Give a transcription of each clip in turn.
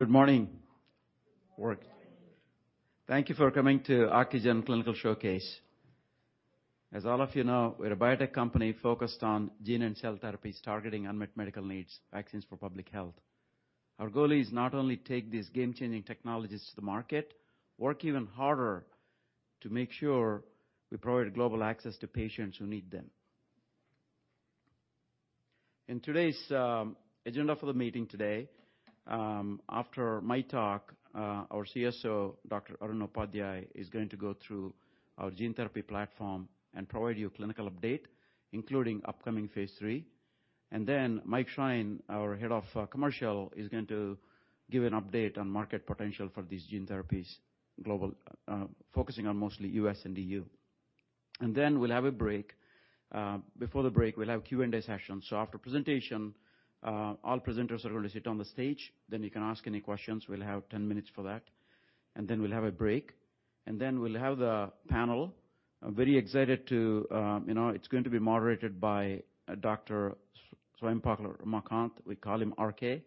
Good morning. Thank you for coming to Ocugen Clinical Showcase. Dr. Lejla Vajzovic, we're a biotech company focused on gene and cell therapies, targeting unmet medical needs, vaccines for public health. Our goal is not only take these game-changing technologies to the market, work even harder to make sure we provide global access to patients who need them. In today's agenda for the meeting today, after my talk, our CSO, Dr. Arun Upadhyay, is going to go through our gene therapy platform and provide you a clinical update, including upcoming phase 3. And then Mike Shine, our Head of Commercial, is going to give an update on market potential for these gene therapies global, focusing on mostly US and EU. And then we'll have a break. Before the break, we'll have Q&A session. So after presentation, all presenters are going to sit on the stage, then you can ask any questions. We'll have 10 minutes for that, and then we'll have a break, and then we'll have the panel. I'm very excited to, You know, it's going to be moderated by Dr. Ramakanth Swayampakula, we call him RK,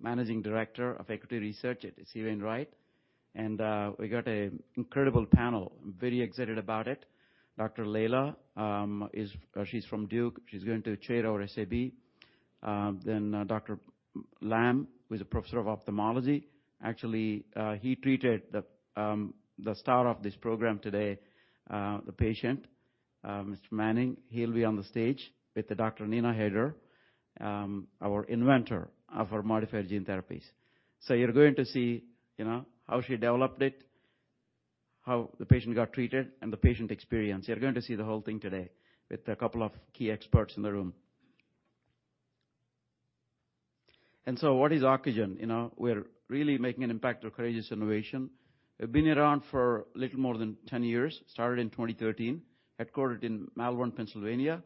Managing Director of Equity Research at H.C. Wainwright & Co. And, we got an incredible panel. I'm very excited about it. Dr. Lejla, is, she's from Duke. She's going to chair our SAB. Then, Dr. Lam, who is a professor of ophthalmology. Actually, he treated the, the star of this program today, the patient, Mr. Manny Fernandez. He'll be on the stage with the Dr. Neena Haider, our inventor of our modifier gene therapies. So you're going to see, you know, how she developed it, how the patient got treated, and the patient experience. You're going to see the whole thing today with a couple of key experts in the room. So what is Ocugen? You know, we're really making an impact of courageous innovation. We've been around for little more than 10 years, started in 2013, headquartered in Malvern, Pennsylvania.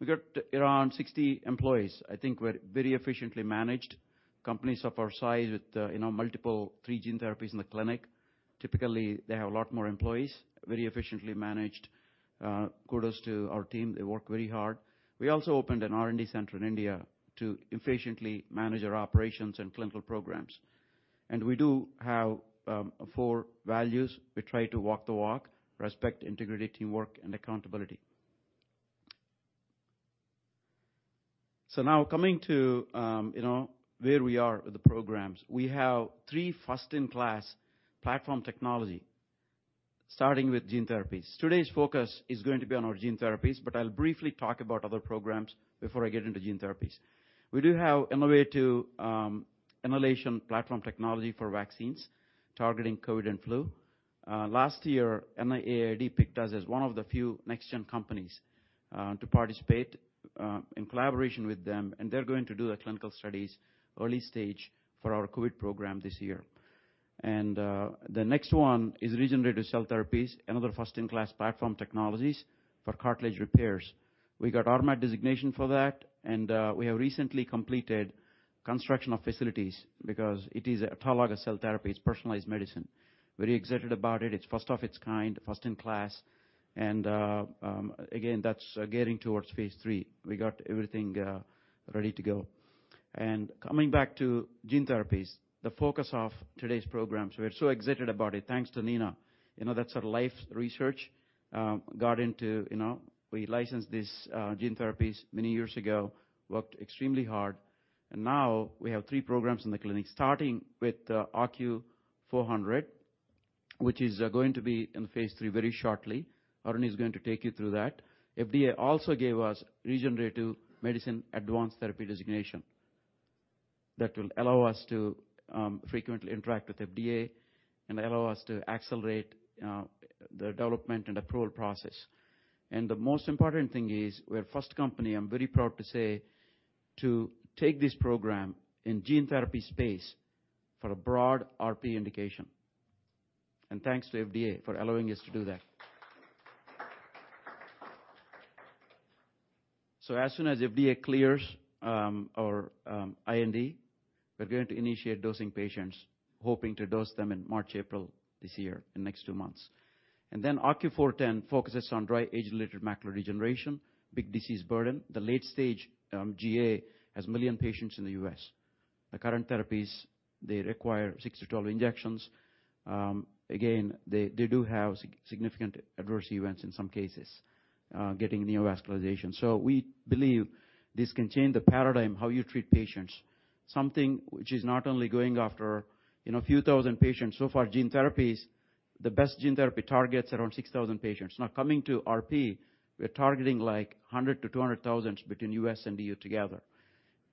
We got around 60 employees. I think we're very efficiently managed. Companies of our size with, you know, multiple 3 gene therapies in the clinic, typically, they have a lot more employees, very efficiently managed. Kudos to our team. They work very hard. We also opened an R&D center in India to efficiently manage our operations and clinical programs. We do have four values. We try to walk the walk: respect, integrity, teamwork, and accountability. So now coming to, you know, where we are with the programs. We have three first-in-class platform technology, starting with gene therapies. Today's focus is going to be on our gene therapies, but I'll briefly talk about other programs before I get into gene therapies. We do have innovative, inhalation platform technology for vaccines, targeting COVID and flu. Last year, NIAID picked us as one of the few next-gen companies to participate in collaboration with them, and they're going to do a clinical studies, early stage, for our COVID program this year. And, the next one is regenerative cell therapies, another first-in-class platform technologies for cartilage repairs. We got RMAT designation for that, and, we have recently completed construction of facilities because it is an autologous cell therapy. It's personalized medicine. Very excited about it. It's first of its kind, first in class, and again, that's getting towards phase 3. We got everything ready to go. Coming back to gene therapies, the focus of today's program, so we're so excited about it. Thanks to Neena. You know, that's her life research, got into, you know, we licensed this gene therapies many years ago, worked extremely hard, and now we have 3 programs in the clinic, starting with OCU400, which is going to be in the phase 3 very shortly. Arun is going to take you through that. FDA also gave us Regenerative Medicine Advanced Therapy designation that will allow us to frequently interact with FDA and allow us to accelerate the development and approval process. The most important thing is, we're the first company, I'm very proud to say, to take this program in gene therapy space for a broad RP indication. And thanks to FDA for allowing us to do that. So as soon as the FDA clears our IND, we're going to initiate dosing patients, hoping to dose them in March, April this year, in the next 2 months. And then OCU410 focuses on dry age-related macular degeneration, big disease burden. The late stage GA has 1 million patients in the U.S. The current therapies, they require 6-12 injections. Again, they do have significant adverse events in some cases, getting neovascularization. So we believe this can change the paradigm, how you treat patients, something which is not only going after, you know, a few thousand patients. So far, gene therapies, the best gene therapy targets around 6,000 patients. Now, coming to RP, we're targeting like 100,000-200,000 between U.S. and EU together.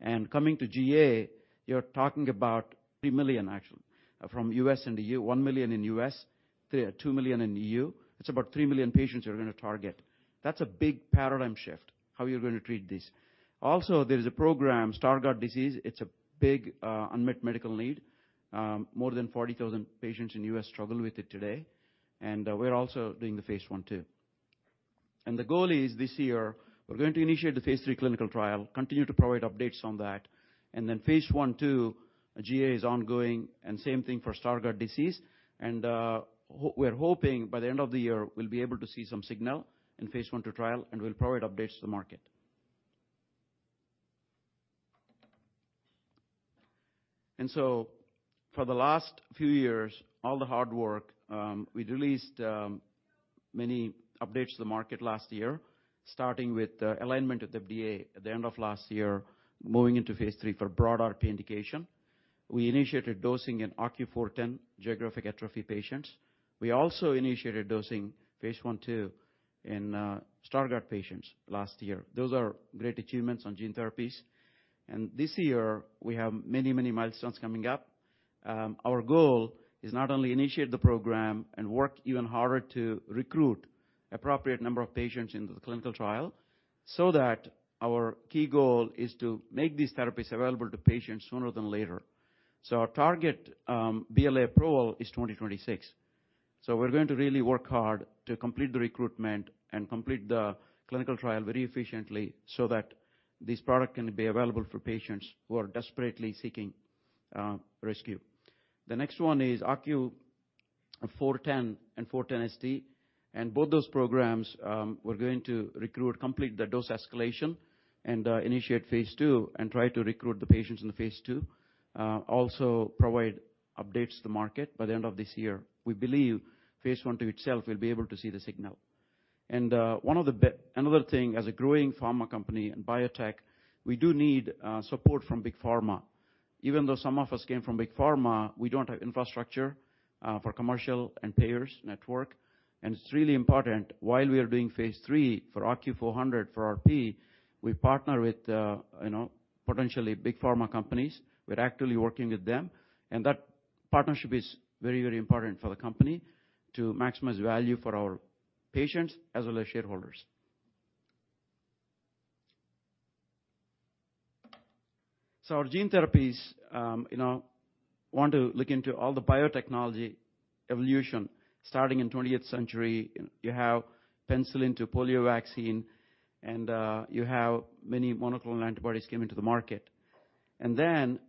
And coming to GA, you're talking about 3 million, actually, from U.S. and EU. 1 million in U.S., 2 million in EU. It's about 3 million patients you're gonna target. That's a big paradigm shift, how you're gonna treat this. Also, there is a program, Stargardt disease. It's a big unmet medical need. More than 40,000 patients in U.S. struggle with it today, and we're also doing the phase 1/2. And the goal is, this year, we're going to initiate the phase 3 clinical trial, continue to provide updates on that, and then phase 1/2, GA is ongoing, and same thing for Stargardt disease. We're hoping by the end of the year, we'll be able to see some signal in phase 1/2 trial, and we'll provide updates to the market. So for the last few years, all the hard work, we released many updates to the market last year, starting with the alignment with the FDA at the end of last year, moving into phase 3 for broad RP indication. We initiated dosing in OCU410 geographic atrophy patients. We also initiated dosing phase 1/2 in Stargardt patients last year. Those are great achievements on gene therapies, and this year, we have many, many milestones coming up. Our goal is not only initiate the program and work even harder to recruit appropriate number of patients into the clinical trial, so that our key goal is to make these therapies available to patients sooner than later. So our target, BLA approval is 2026. So we're going to really work hard to complete the recruitment and complete the clinical trial very efficiently so that this product can be available for patients who are desperately seeking rescue. The next one is OCU410 and OCU410ST, and both those programs, we're going to recruit, complete the dose escalation and initiate phase II and try to recruit the patients in the phase II. Also provide updates to the market by the end of this year. We believe phase I and II itself will be able to see the signal. Another thing, as a growing pharma company and biotech, we do need support from Big Pharma. Even though some of us came from Big Pharma, we don't have infrastructure for commercial and payers network. And it's really important while we are doing phase 3 for OCU400 for RP, we partner with, you know, potentially big pharma companies. We're actively working with them, and that partnership is very, very important for the company to maximize value for our patients as well as shareholders. So our gene therapies, you know, want to look into all the biotechnology evolution starting in twentieth century. You have penicillin to polio vaccine, and you have many monoclonal antibodies came into the market. Then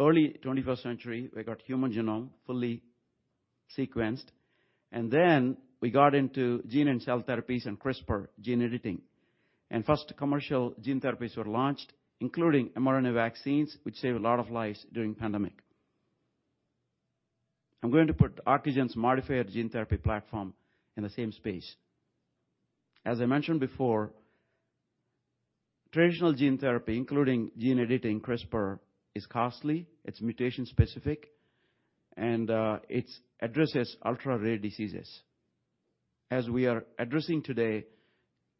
early 21st century, we got human genome fully sequenced, and then we got into gene and cell therapies and CRISPR gene editing. First commercial gene therapies were launched, including mRNA vaccines, which saved a lot of lives during pandemic. I'm going to put Ocugen's modified gene therapy platform in the same space. As I mentioned before, traditional gene therapy, including gene editing, CRISPR, is costly, it's mutation-specific, and it addresses ultra-rare diseases. As we are addressing today,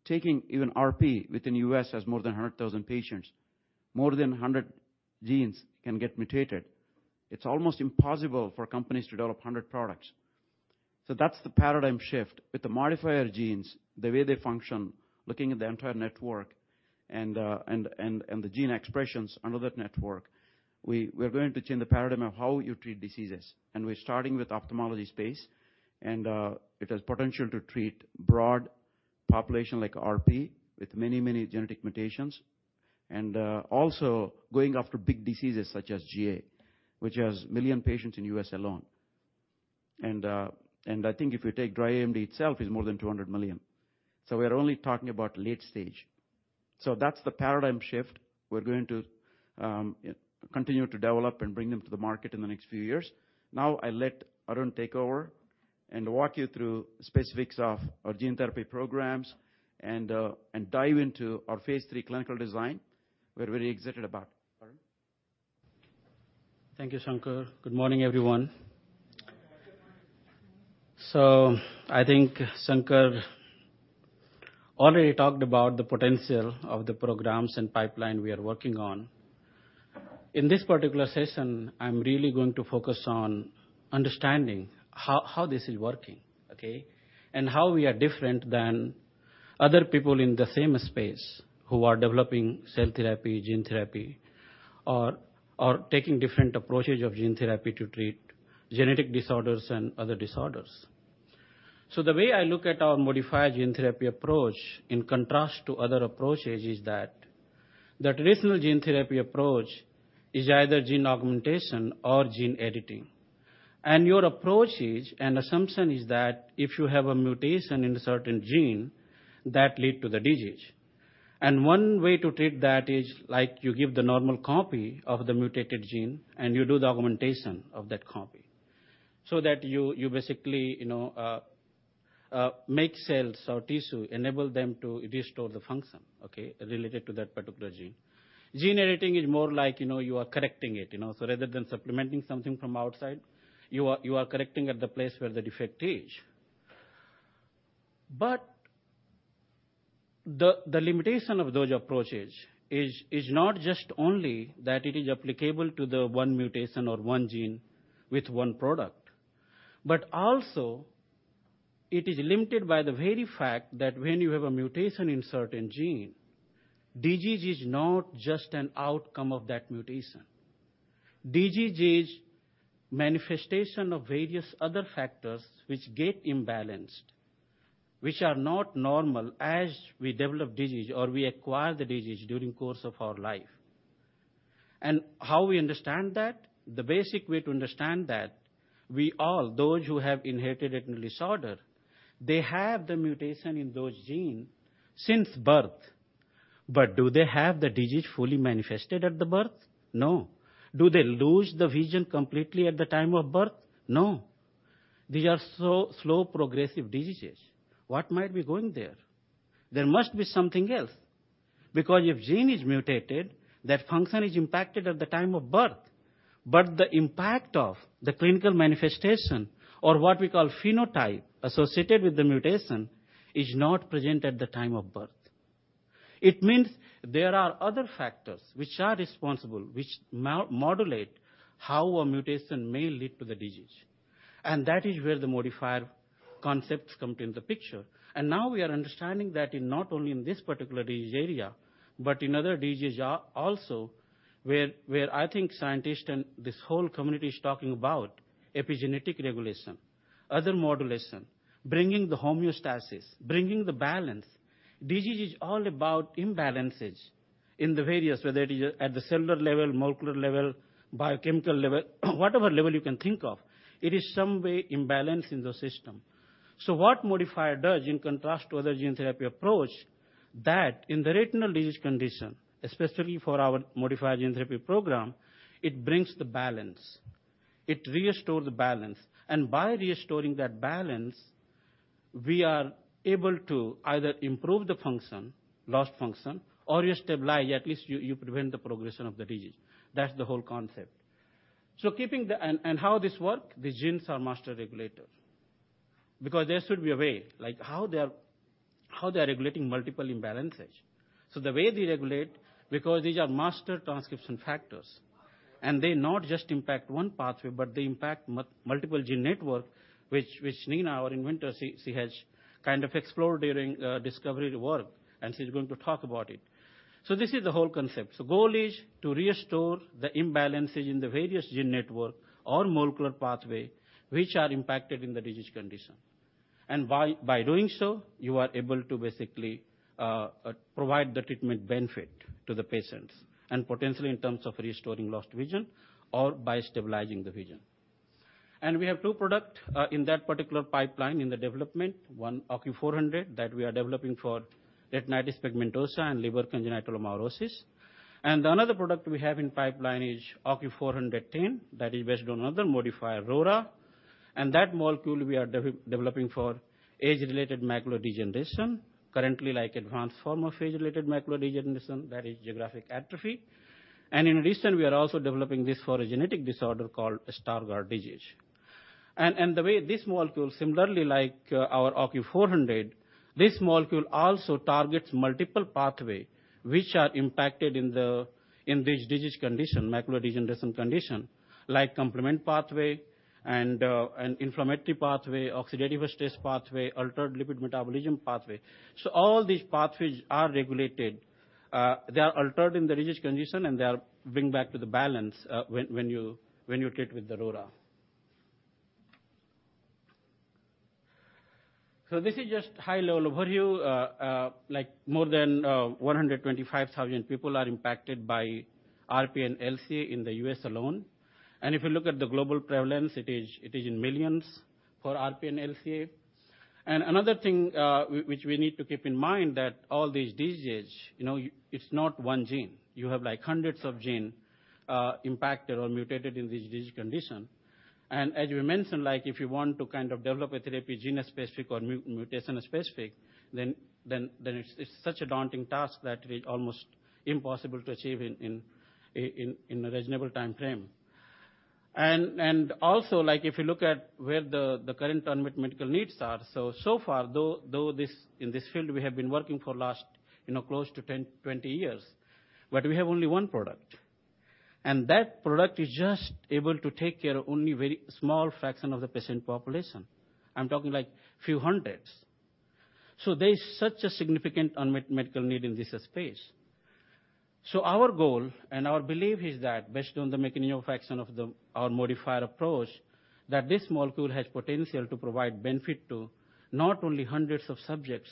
taking even RP within the U.S. has more than 100,000 patients, more than 100 genes can get mutated. It's almost impossible for companies to develop 100 products. So that's the paradigm shift. With the modifier genes, the way they function, looking at the entire network and the gene expressions under that network, we're going to change the paradigm of how you treat diseases, and we're starting with ophthalmology space, and it has potential to treat broad population like RP with many, many genetic mutations, and also going after big diseases such as GA, which has 1 million patients in U.S. alone. And I think if you take dry AMD itself, is more than 200 million. So we are only talking about late stage. So that's the paradigm shift. We're going to continue to develop and bring them to the market in the next few years. Now, I let Arun take over and walk you through specifics of our gene therapy programs and dive into our phase III clinical design. We're very excited about. Arun? Thank you, Shankar. Good morning, everyone. Good morning. So I think Shankar already talked about the potential of the programs and pipeline we are working on. In this particular session, I'm really going to focus on understanding how, how this is working, okay? And how we are different than other people in the same space who are developing cell therapy, gene therapy, or, or taking different approaches of gene therapy to treat genetic disorders and other disorders. So the way I look at our modifier gene therapy approach in contrast to other approaches, is that the traditional gene therapy approach is either gene augmentation or gene editing. And your approach is, and assumption is that, if you have a mutation in a certain gene, that lead to the disease. One way to treat that is, like, you give the normal copy of the mutated gene, and you do the augmentation of that copy, so that you basically, you know, make cells or tissue enable them to restore the function, okay, related to that particular gene. Gene editing is more like, you know, you are correcting it, you know. So rather than supplementing something from outside, you are correcting at the place where the defect is. But the limitation of those approaches is not just only that it is applicable to the one mutation or one gene with one product, but also it is limited by the very fact that when you have a mutation in certain gene, disease is not just an outcome of that mutation. Disease is manifestation of various other factors which get imbalanced, which are not normal as we develop disease, or we acquire the disease during the course of our life... How we understand that? The basic way to understand that, we all, those who have inherited retinal disorder, they have the mutation in those gene since birth. But do they have the disease fully manifested at the birth? No. Do they lose the vision completely at the time of birth? No. These are so slow, progressive diseases. What might be going there? There must be something else, because if gene is mutated, that function is impacted at the time of birth, but the impact of the clinical manifestation, or what we call phenotype, associated with the mutation, is not present at the time of birth. It means there are other factors which are responsible, which modulate how a mutation may lead to the disease. That is where the modifier concepts come in the picture. Now we are understanding that in not only in this particular disease area, but in other diseases are also, where I think scientists and this whole community is talking about epigenetic regulation, other modulation, bringing the homeostasis, bringing the balance. Disease is all about imbalances in the various, whether it is at the cellular level, molecular level, biochemical level, whatever level you can think of. It is some way imbalance in the system. So what modifier does, in contrast to other gene therapy approach, that in the retinal disease condition, especially for our modifier gene therapy program, it brings the balance. It restores the balance, and by restoring that balance, we are able to either improve the function, lost function, or you stabilize, at least you, you prevent the progression of the disease. That's the whole concept. So keeping the... And, and how this work? The genes are master regulators, because there should be a way, like, how they are, how they are regulating multiple imbalances. So the way they regulate, because these are master transcription factors, and they not just impact one pathway, but they impact multiple gene network, which, which Neena, our inventor, she, she has kind of explored during discovery work, and she's going to talk about it. So this is the whole concept. So goal is to restore the imbalances in the various gene network or molecular pathway, which are impacted in the disease condition. By doing so, you are able to basically provide the treatment benefit to the patients, and potentially in terms of restoring lost vision or by stabilizing the vision. We have two products in that particular pipeline in development. One, OCU400, that we are developing for retinitis pigmentosa and Leber congenital amaurosis. Another product we have in the pipeline is OCU410, that is based on another modifier, RORA. That molecule we are developing for age-related macular degeneration. Currently, like advanced form of age-related macular degeneration, that is geographic atrophy. Recently, we are also developing this for a genetic disorder called Stargardt disease. The way this molecule, similarly like our OCU400, this molecule also targets multiple pathway, which are impacted in this disease condition, macular degeneration condition, like complement pathway and inflammatory pathway, oxidative stress pathway, altered lipid metabolism pathway. So all these pathways are regulated. They are altered in the disease condition, and they are bring back to the balance, when you treat with the RORA. So this is just high-level overview. Like, more than 125,000 people are impacted by RP and LCA in the U.S. alone. And if you look at the global prevalence, it is in millions for RP and LCA. And another thing, which we need to keep in mind, that all these diseases, you know, it's not one gene. You have, like, hundreds of genes impacted or mutated in this disease condition. And as we mentioned, like, if you want to kind of develop a therapy, gene-specific or mutation-specific, then it's such a daunting task that is almost impossible to achieve in a reasonable timeframe. And also, like, if you look at where the current unmet medical needs are, so far, in this field, we have been working for last, you know, close to 10, 20 years, but we have only one product. And that product is just able to take care of only very small fraction of the patient population. I'm talking, like, few hundreds. So there is such a significant unmet medical need in this space. So our goal and our belief is that based on the mechanism of action of the, our modifier approach, that this molecule has potential to provide benefit to not only hundreds of subjects,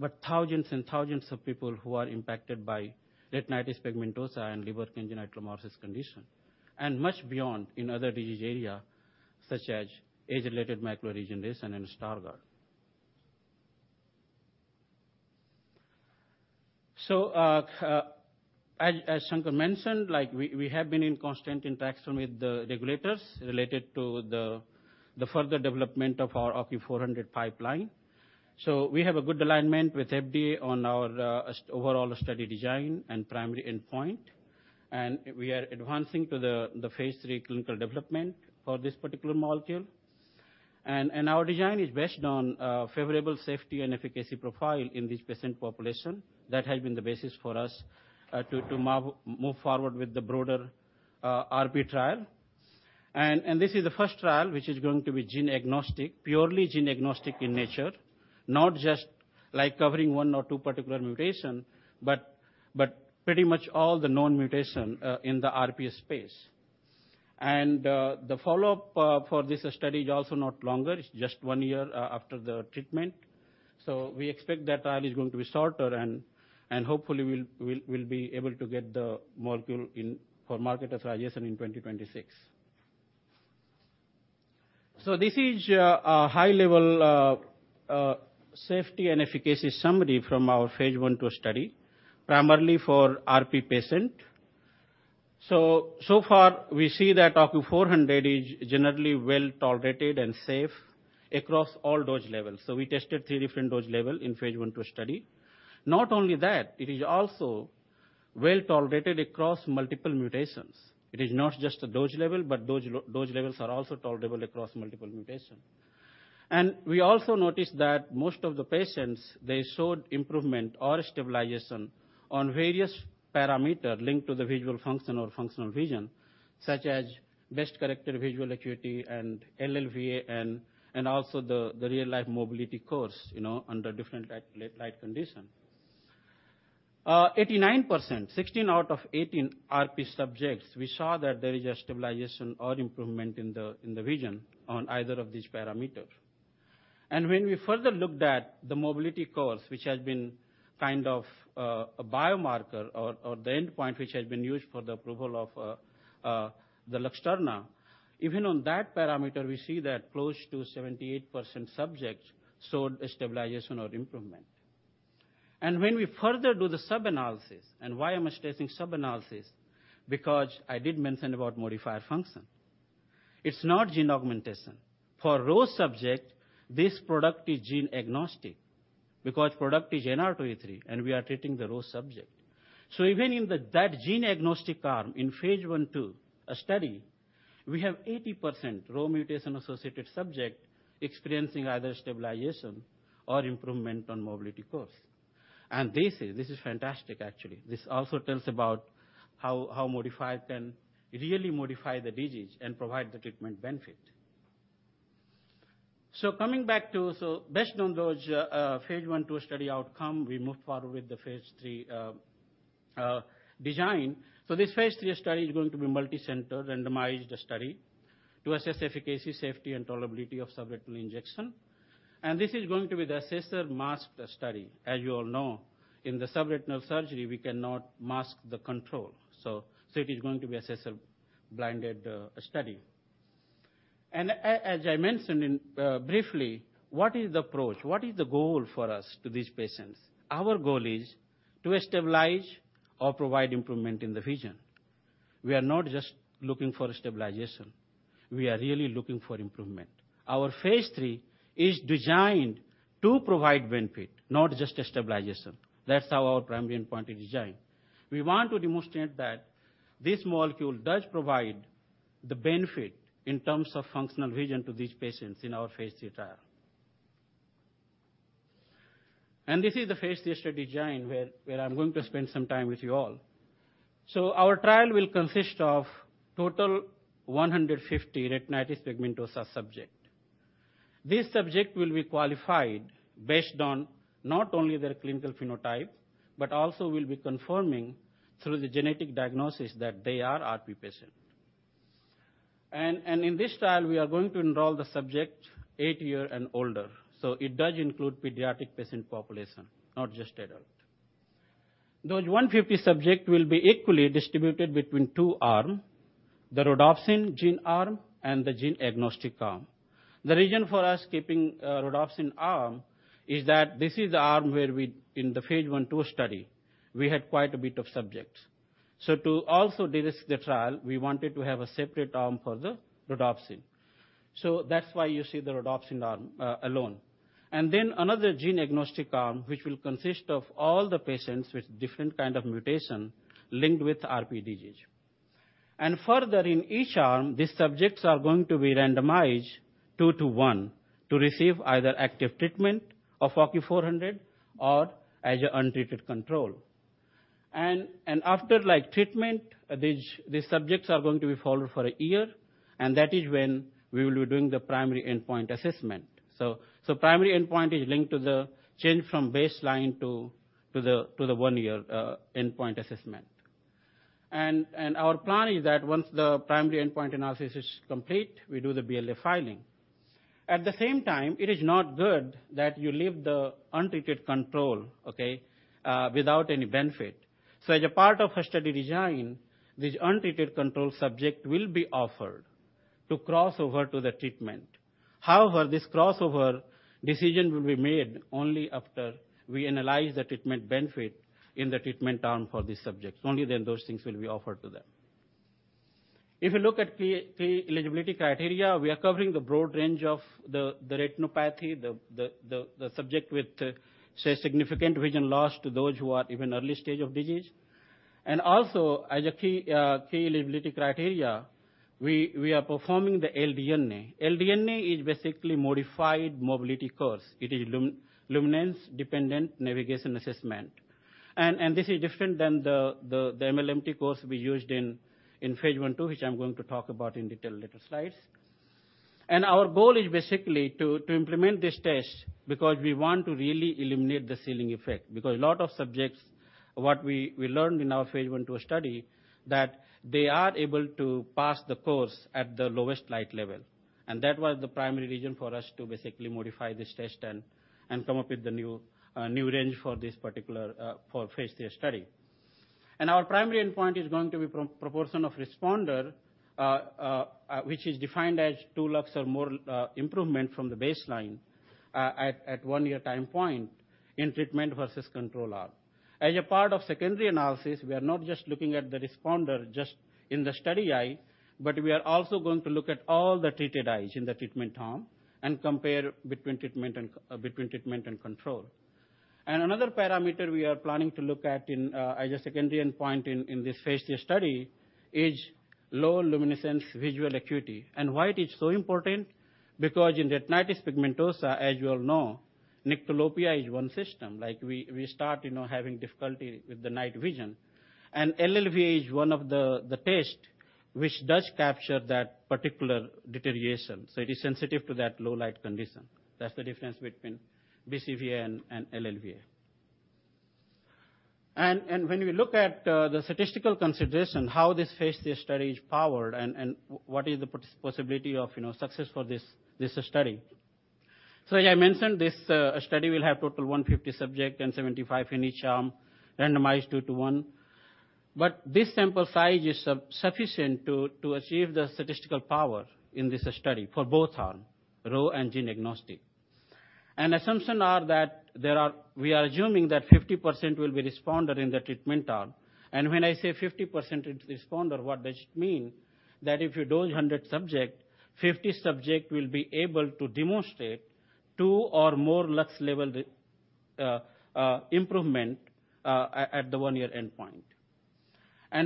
but thousands and thousands of people who are impacted by retinitis pigmentosa and Leber congenital amaurosis condition, and much beyond in other disease area, such as age-related macular degeneration and Stargardt. As Shankar mentioned, like, we have been in constant interaction with the regulators related to the further development of our OCU400 pipeline. We have a good alignment with FDA on our overall study design and primary endpoint, and we are advancing to the phase 3 clinical development for this particular molecule. Our design is based on favorable safety and efficacy profile in this patient population. That has been the basis for us to move forward with the broader RP trial. And this is the first trial which is going to be gene agnostic, purely gene agnostic in nature, not just like covering one or two particular mutation, but pretty much all the known mutation in the RP space. And the follow-up for this study is also not longer, it's just one year after the treatment. So we expect that trial is going to be shorter, and hopefully we'll be able to get the molecule in for market authorization in 2026. So this is a high-level safety and efficacy summary from our phase 1/2 study, primarily for RP patient. So far, we see that OCU400 is generally well-tolerated and safe across all dose levels. So we tested three different dose levels in Phase 1 study. Not only that, it is also well-tolerated across multiple mutations. It is not just a dose level, but dose levels are also tolerable across multiple mutation. And we also noticed that most of the patients, they showed improvement or stabilization on various parameter linked to the visual function or functional vision, such as best corrected visual acuity and LLVA and also the real-life mobility course, you know, under different light conditions. 89%, 16 out of 18 RP subjects, we saw that there is a stabilization or improvement in the vision on either of these parameters. And when we further looked at the mobility course, which has been kind of a biomarker or the endpoint, which has been used for the approval of the Luxturna. Even on that parameter, we see that close to 78% subjects showed a stabilization or improvement. When we further do the sub-analysis, and why I'm stressing sub-analysis? Because I did mention about modifier function. It's not gene augmentation. For RHO subject, this product is gene agnostic, because product is NR2E3, and we are treating the RHO subject. So even in that gene agnostic arm, in phase 1/2 study, we have 80% RHO mutation-associated subject experiencing either stabilization or improvement on mobility course. And this is fantastic, actually. This also tells about how modifier can really modify the disease and provide the treatment benefit. So coming back to... So based on those phase 1/2 study outcome, we moved forward with the phase 3 design. So this phase 3 study is going to be multicenter, randomized study to assess efficacy, safety, and tolerability of subretinal injection. This is going to be the assessor-masked study. As you all know, in the subretinal surgery, we cannot mask the control, so it is going to be assessor-blinded study. As I mentioned briefly, what is the approach? What is the goal for us to these patients? Our goal is to stabilize or provide improvement in the vision. We are not just looking for stabilization, we are really looking for improvement. Our phase 3 is designed to provide benefit, not just a stabilization. That's how our primary endpoint is designed. We want to demonstrate that this molecule does provide the benefit in terms of functional vision to these patients in our phase 3 trial. This is the phase 3 study design, where I'm going to spend some time with you all. So our trial will consist of total 150 retinitis pigmentosa subjects. These subjects will be qualified based on not only their clinical phenotype, but also will be confirmed through the genetic diagnosis that they are RP patients. And in this trial, we are going to enroll subjects 8 years and older, so it does include pediatric patient population, not just adult. Those 150 subjects will be equally distributed between 2 arms, the rhodopsin gene arm and the gene agnostic arm. The reason for us keeping rhodopsin arm is that this is the arm where we, in the phase 1/2 study, we had quite a bit of subjects. So to also de-risk the trial, we wanted to have a separate arm for the rhodopsin. So that's why you see the rhodopsin arm alone. And then another gene agnostic arm, which will consist of all the patients with different kind of mutation linked with RP disease. And further in each arm, these subjects are going to be randomized 2-to-1, to receive either active treatment of OCU400 or as untreated control. And after, like, treatment, these subjects are going to be followed for a year, and that is when we will be doing the primary endpoint assessment. So primary endpoint is linked to the change from baseline to the one year endpoint assessment. And our plan is that once the primary endpoint analysis is complete, we do the BLA filing. At the same time, it is not good that you leave the untreated control, okay, without any benefit. So as a part of her study design, this untreated control subject will be offered to cross over to the treatment. However, this crossover decision will be made only after we analyze the treatment benefit in the treatment arm for these subjects. Only then those things will be offered to them. If you look at key eligibility criteria, we are covering the broad range of the retinopathy, the subject with, say, significant vision loss to those who are even early stage of disease. And also, as a key eligibility criteria, we are performing the LDNA. LDNA is basically modified mobility course. It is luminance dependent navigation assessment. And this is different than the MLMT course we used in phase one, two, which I'm going to talk about in detail in later slides. Our goal is basically to implement this test, because we want to really eliminate the ceiling effect. Because a lot of subjects, what we learned in our phase 1, 2 study, that they are able to pass the course at the lowest light level. And that was the primary reason for us to basically modify this test and come up with the new range for this particular for phase 3 study. And our primary endpoint is going to be proportion of responder, which is defined as 2 lux or more improvement from the baseline at 1-year time point in treatment versus control arm. As a part of secondary analysis, we are not just looking at the responder just in the study eye, but we are also going to look at all the treated eyes in the treatment arm and compare between treatment and control. Another parameter we are planning to look at in as a secondary endpoint in this phase three study is low luminance visual acuity. Why it is so important? Because in the retinitis pigmentosa, as you all know, nyctalopia is one symptom. Like, we start, you know, having difficulty with the night vision. And LLVA is one of the test which does capture that particular deterioration, so it is sensitive to that low light condition. That's the difference between BCVA and LLVA. When we look at the statistical consideration, how this phase 3 study is powered and what is the possibility of, you know, success for this study. So as I mentioned, this study will have total 150 subjects and 75 in each arm, randomized 2 to 1. But this sample size is sufficient to achieve the statistical power in this study for both arms, RHO and gene agnostic. And assumptions are that we are assuming that 50% will be responders in the treatment arm. And when I say 50% is responder, what does it mean? That if you dose 100 subjects, 50 subjects will be able to demonstrate 2 or more lux levels improvement at the 1-year endpoint.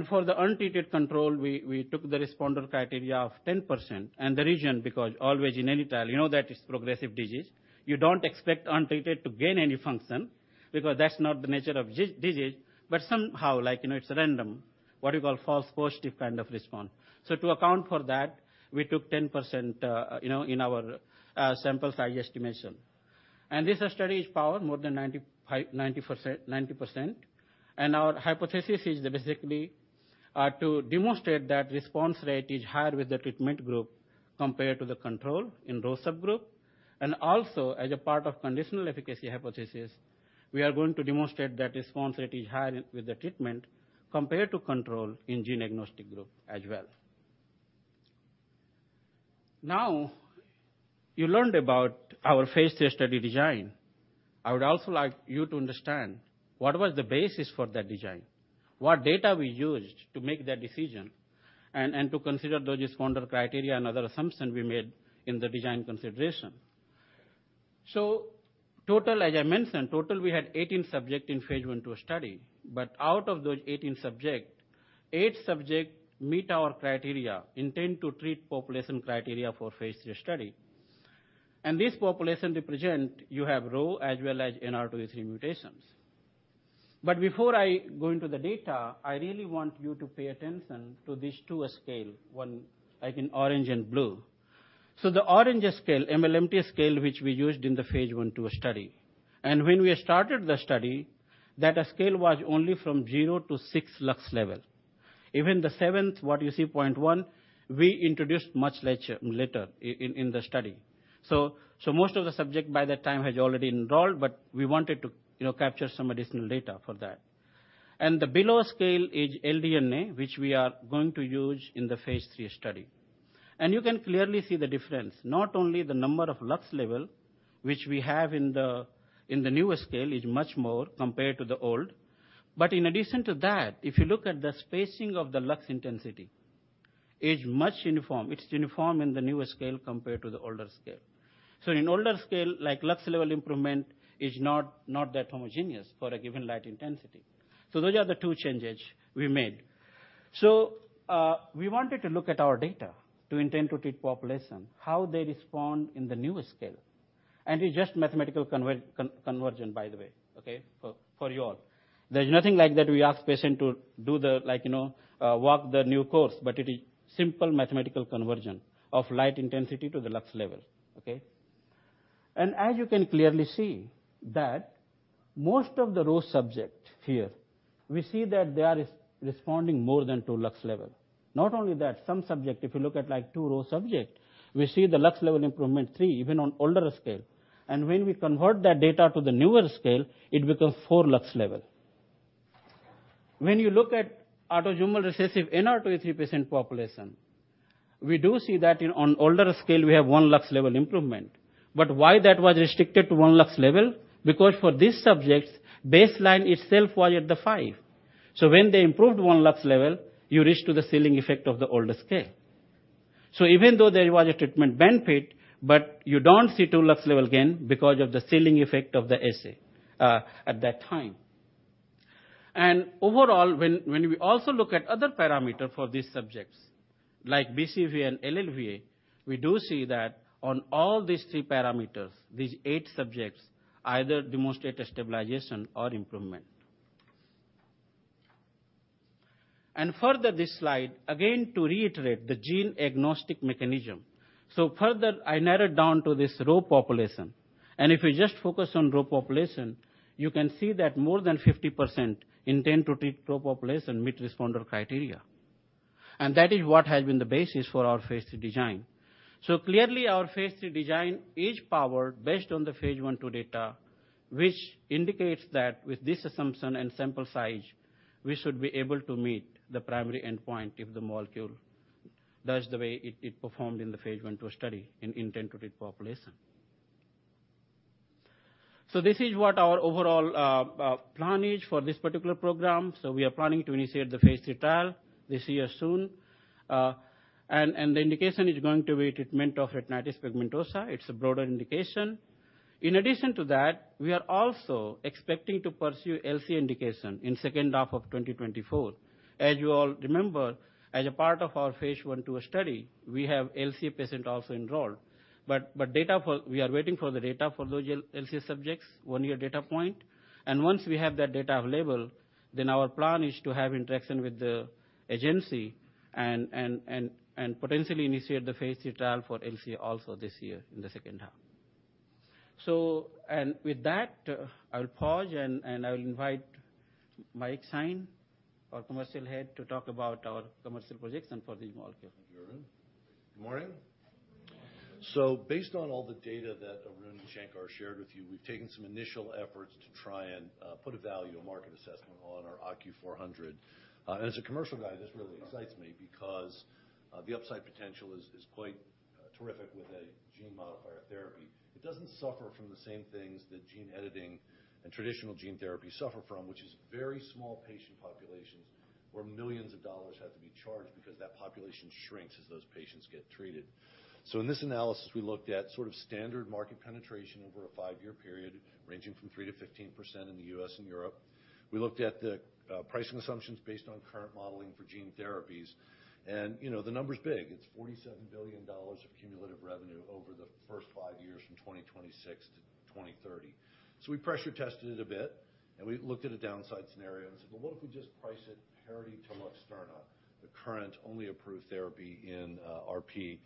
For the untreated control, we took the responder criteria of 10%, and the reason, because always in any trial, you know that it's progressive disease. You don't expect untreated to gain any function, because that's not the nature of disease, but somehow, like, you know, it's random, what you call false positive kind of response. So to account for that, we took 10%, you know, in our sample size estimation. This study is powered more than 95%... 90%, 90%. Our hypothesis is basically to demonstrate that response rate is higher with the treatment group compared to the control in RHO subgroup. And also, as a part of conditional efficacy hypothesis, we are going to demonstrate that response rate is higher with the treatment compared to control in gene agnostic group as well. Now, you learned about our phase 3 study design. I would also like you to understand what was the basis for that design, what data we used to make that decision, and to consider those responder criteria and other assumptions we made in the design consideration. So, as I mentioned, we had 18 subjects in phase 1/2 study. But out of those 18 subjects, 8 subjects meet our criteria, intent-to-treat population criteria for phase 3 study. And this population represents, you have RHO as well as NR2E3 mutations. But before I go into the data, I really want you to pay attention to these two KOLs, one like in orange and blue. So the orange scale, MLMT scale, which we used in the phase 1/2 study, and when we started the study, that scale was only from 0 to 6 lux level. Even the 7th, what you see, 0.1, we introduced much later in the study. So most of the subjects by that time had already enrolled, but we wanted to, you know, capture some additional data for that. The below scale is LDNA, which we are going to use in the phase 3 study. You can clearly see the difference, not only the number of lux levels, which we have in the newer scale, is much more compared to the old. But in addition to that, if you look at the spacing of the lux intensity, is much uniform. It's uniform in the newer scale compared to the older scale. So in older scale, like lux level improvement is not that homogeneous for a given light intensity. So those are the two changes we made. So, we wanted to look at our data to intend to treat population, how they respond in the newer scale. And it's just mathematical conversion, by the way, okay? For you all. There's nothing like that we ask patient to do the like, you know, walk the new course, but it is simple mathematical conversion of light intensity to the lux level, okay? And as you can clearly see, that most of the RHO subject here, we see that they are responding more than 2 lux level. Not only that, some subject, if you look at, like, two RHO subject, we see the lux level improvement 3, even on older scale. And when we convert that data to the newer scale, it becomes 4 lux level. When you look at autosomal recessive NR2E3 population, we do see that in, on older scale, we have one lux level improvement. But why that was restricted to one lux level? Because for these subjects, baseline itself was at the five. So when they improved one lux level, you reach to the ceiling effect of the older scale. So even though there was a treatment benefit, but you don't see two lux level gain because of the ceiling effect of the assay, at that time. And overall, when we also look at other parameter for these subjects, like BCVA and LLVA, we do see that on all these three parameters, these eight subjects either demonstrate a stabilization or improvement... And further this slide, again, to reiterate the gene agnostic mechanism. Further, I narrowed down to this RHO population, and if we just focus on RHO population, you can see that more than 50% intent to treat RHO population meet responder criteria. And that is what has been the basis for our phase 3 design. Clearly, our phase 3 design is powered based on the phase 1/2 data, which indicates that with this assumption and sample size, we should be able to meet the primary endpoint if the molecule does the way it performed in the phase 1/2 study in intent to treat population. This is what our overall plan is for this particular program. We are planning to initiate the phase 3 trial this year soon, and the indication is going to be treatment of retinitis pigmentosa. It's a broader indication. In addition to that, we are also expecting to pursue LCA indication in second half of 2024. As you all remember, as a part of our phase 1/2 study, we have LCA patient also enrolled, but data for—we are waiting for the data for those LCA subjects, one-year data point. And once we have that data available, then our plan is to have interaction with the agency and potentially initiate the phase 3 trial for LCA also this year in the second half. So, with that, I'll pause and I'll invite Mike Shine, our commercial head, to talk about our commercial projection for the molecule. Thank you, Arun. Good morning. Good morning. So based on all the data that Arun and Shankar shared with you, we've taken some initial efforts to try and put a value, a market assessment on our OCU400. And as a commercial guy, this really excites me because the upside potential is quite terrific with a gene modifier therapy. It doesn't suffer from the same things that gene editing and traditional gene therapy suffer from, which is very small patient populations, where $ millions have to be charged because that population shrinks as those patients get treated. So in this analysis, we looked at sort of standard market penetration over a five-year period, ranging from 3%-15% in the U.S. and Europe. We looked at the pricing assumptions based on current modeling for gene therapies, and, you know, the number's big. It's $47 billion of cumulative revenue over the first 5 years from 2026 to 2030. So we pressure tested it a bit, and we looked at a downside scenario and said, "Well, what if we just price it parity to Luxturna, the current only approved therapy in RP,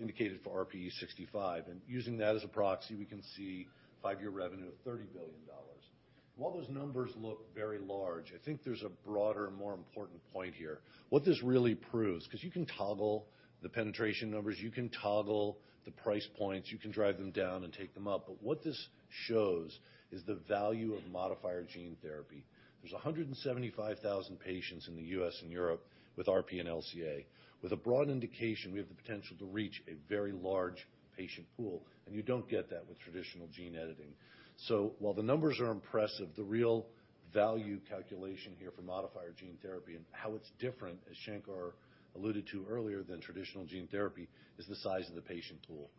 indicated for RPE65?" And using that as a proxy, we can see 5-year revenue of $30 billion. While those numbers look very large, I think there's a broader and more important point here. What this really proves, because you can toggle the penetration numbers, you can toggle the price points, you can drive them down and take them up, but what this shows is the value of modifier gene therapy. There's 175,000 patients in the US and Europe with RP and LCA. With a broad indication, we have the potential to reach a very large patient pool, and you don't get that with traditional gene editing. So while the numbers are impressive, the real value calculation here for modifier gene therapy and how it's different, as Shankar alluded to earlier, than traditional gene therapy, is the size of the patient pool.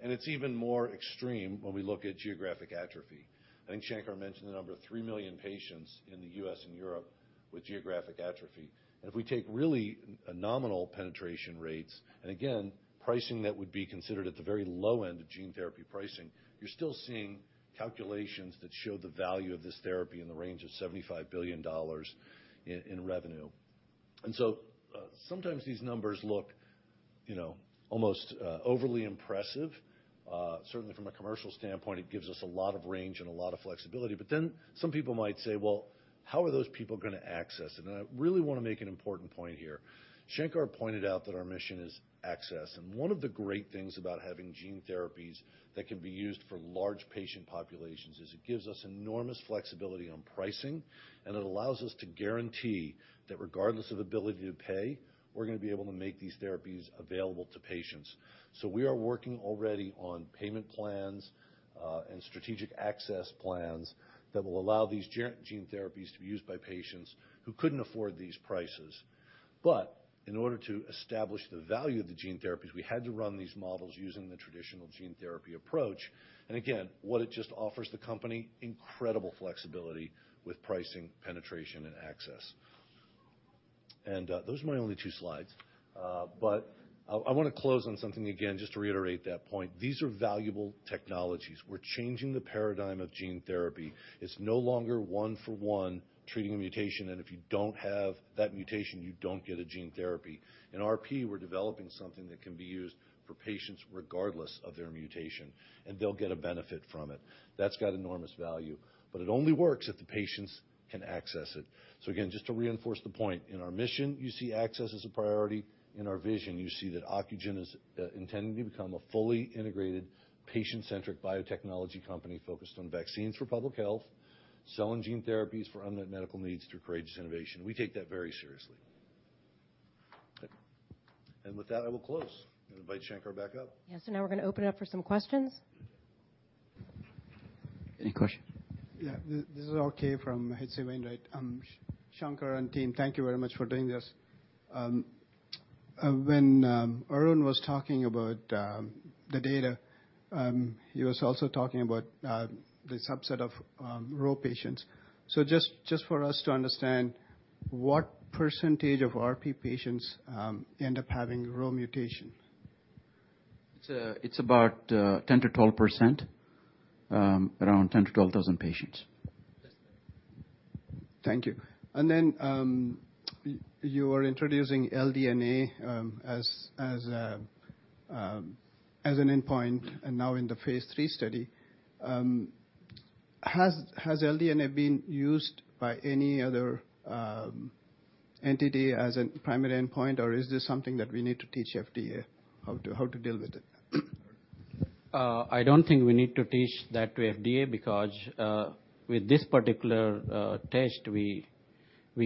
And it's even more extreme when we look at geographic atrophy. I think Shankar mentioned the number of 3 million patients in the U.S. and Europe with geographic atrophy. And if we take really a nominal penetration rates, and again, pricing that would be considered at the very low end of gene therapy pricing, you're still seeing calculations that show the value of this therapy in the range of $75 billion in, in revenue. And so, sometimes these numbers look, you know, almost, overly impressive. Certainly from a commercial standpoint, it gives us a lot of range and a lot of flexibility. But then some people might say, "Well, how are those people going to access it?" And I really want to make an important point here. Shankar pointed out that our mission is access, and one of the great things about having gene therapies that can be used for large patient populations is it gives us enormous flexibility on pricing, and it allows us to guarantee that regardless of ability to pay, we're going to be able to make these therapies available to patients. So we are working already on payment plans, and strategic access plans that will allow these gene therapies to be used by patients who couldn't afford these prices. But in order to establish the value of the gene therapies, we had to run these models using the traditional gene therapy approach. And again, what it just offers the company? Incredible flexibility with pricing, penetration, and access. And, those are my only two slides. But I, I want to close on something again, just to reiterate that point. These are valuable technologies. We're changing the paradigm of gene therapy. It's no longer one for one, treating a mutation, and if you don't have that mutation, you don't get a gene therapy. In RP, we're developing something that can be used for patients regardless of their mutation, and they'll get a benefit from it. That's got enormous value, but it only works if the patients can access it. So again, just to reinforce the point, in our mission, you see access as a priority. In our vision, you see that Ocugen is intending to become a fully integrated, patient-centric biotechnology company focused on vaccines for public health, cell and gene therapies for unmet medical needs through courageous innovation. We take that very seriously. With that, I will close and invite Shankar back up. Yes, so now we're going to open it up for some questions. Any questions? Yeah, this is RK from H.C. Wainwright. Shankar and team, thank you very much for doing this. When Arun was talking about the data, he was also talking about the subset of RHO patients. So just for us to understand, what percentage of RP patients end up having RHO mutation?... It's about 10%-12%, around 10,000-12,000 patients. Thank you. And then, you are introducing LDNA as an endpoint and now in the phase 3 study. Has LDNA been used by any other entity as a primary endpoint, or is this something that we need to teach FDA how to deal with it? I don't think we need to teach that to FDA because with this particular test, we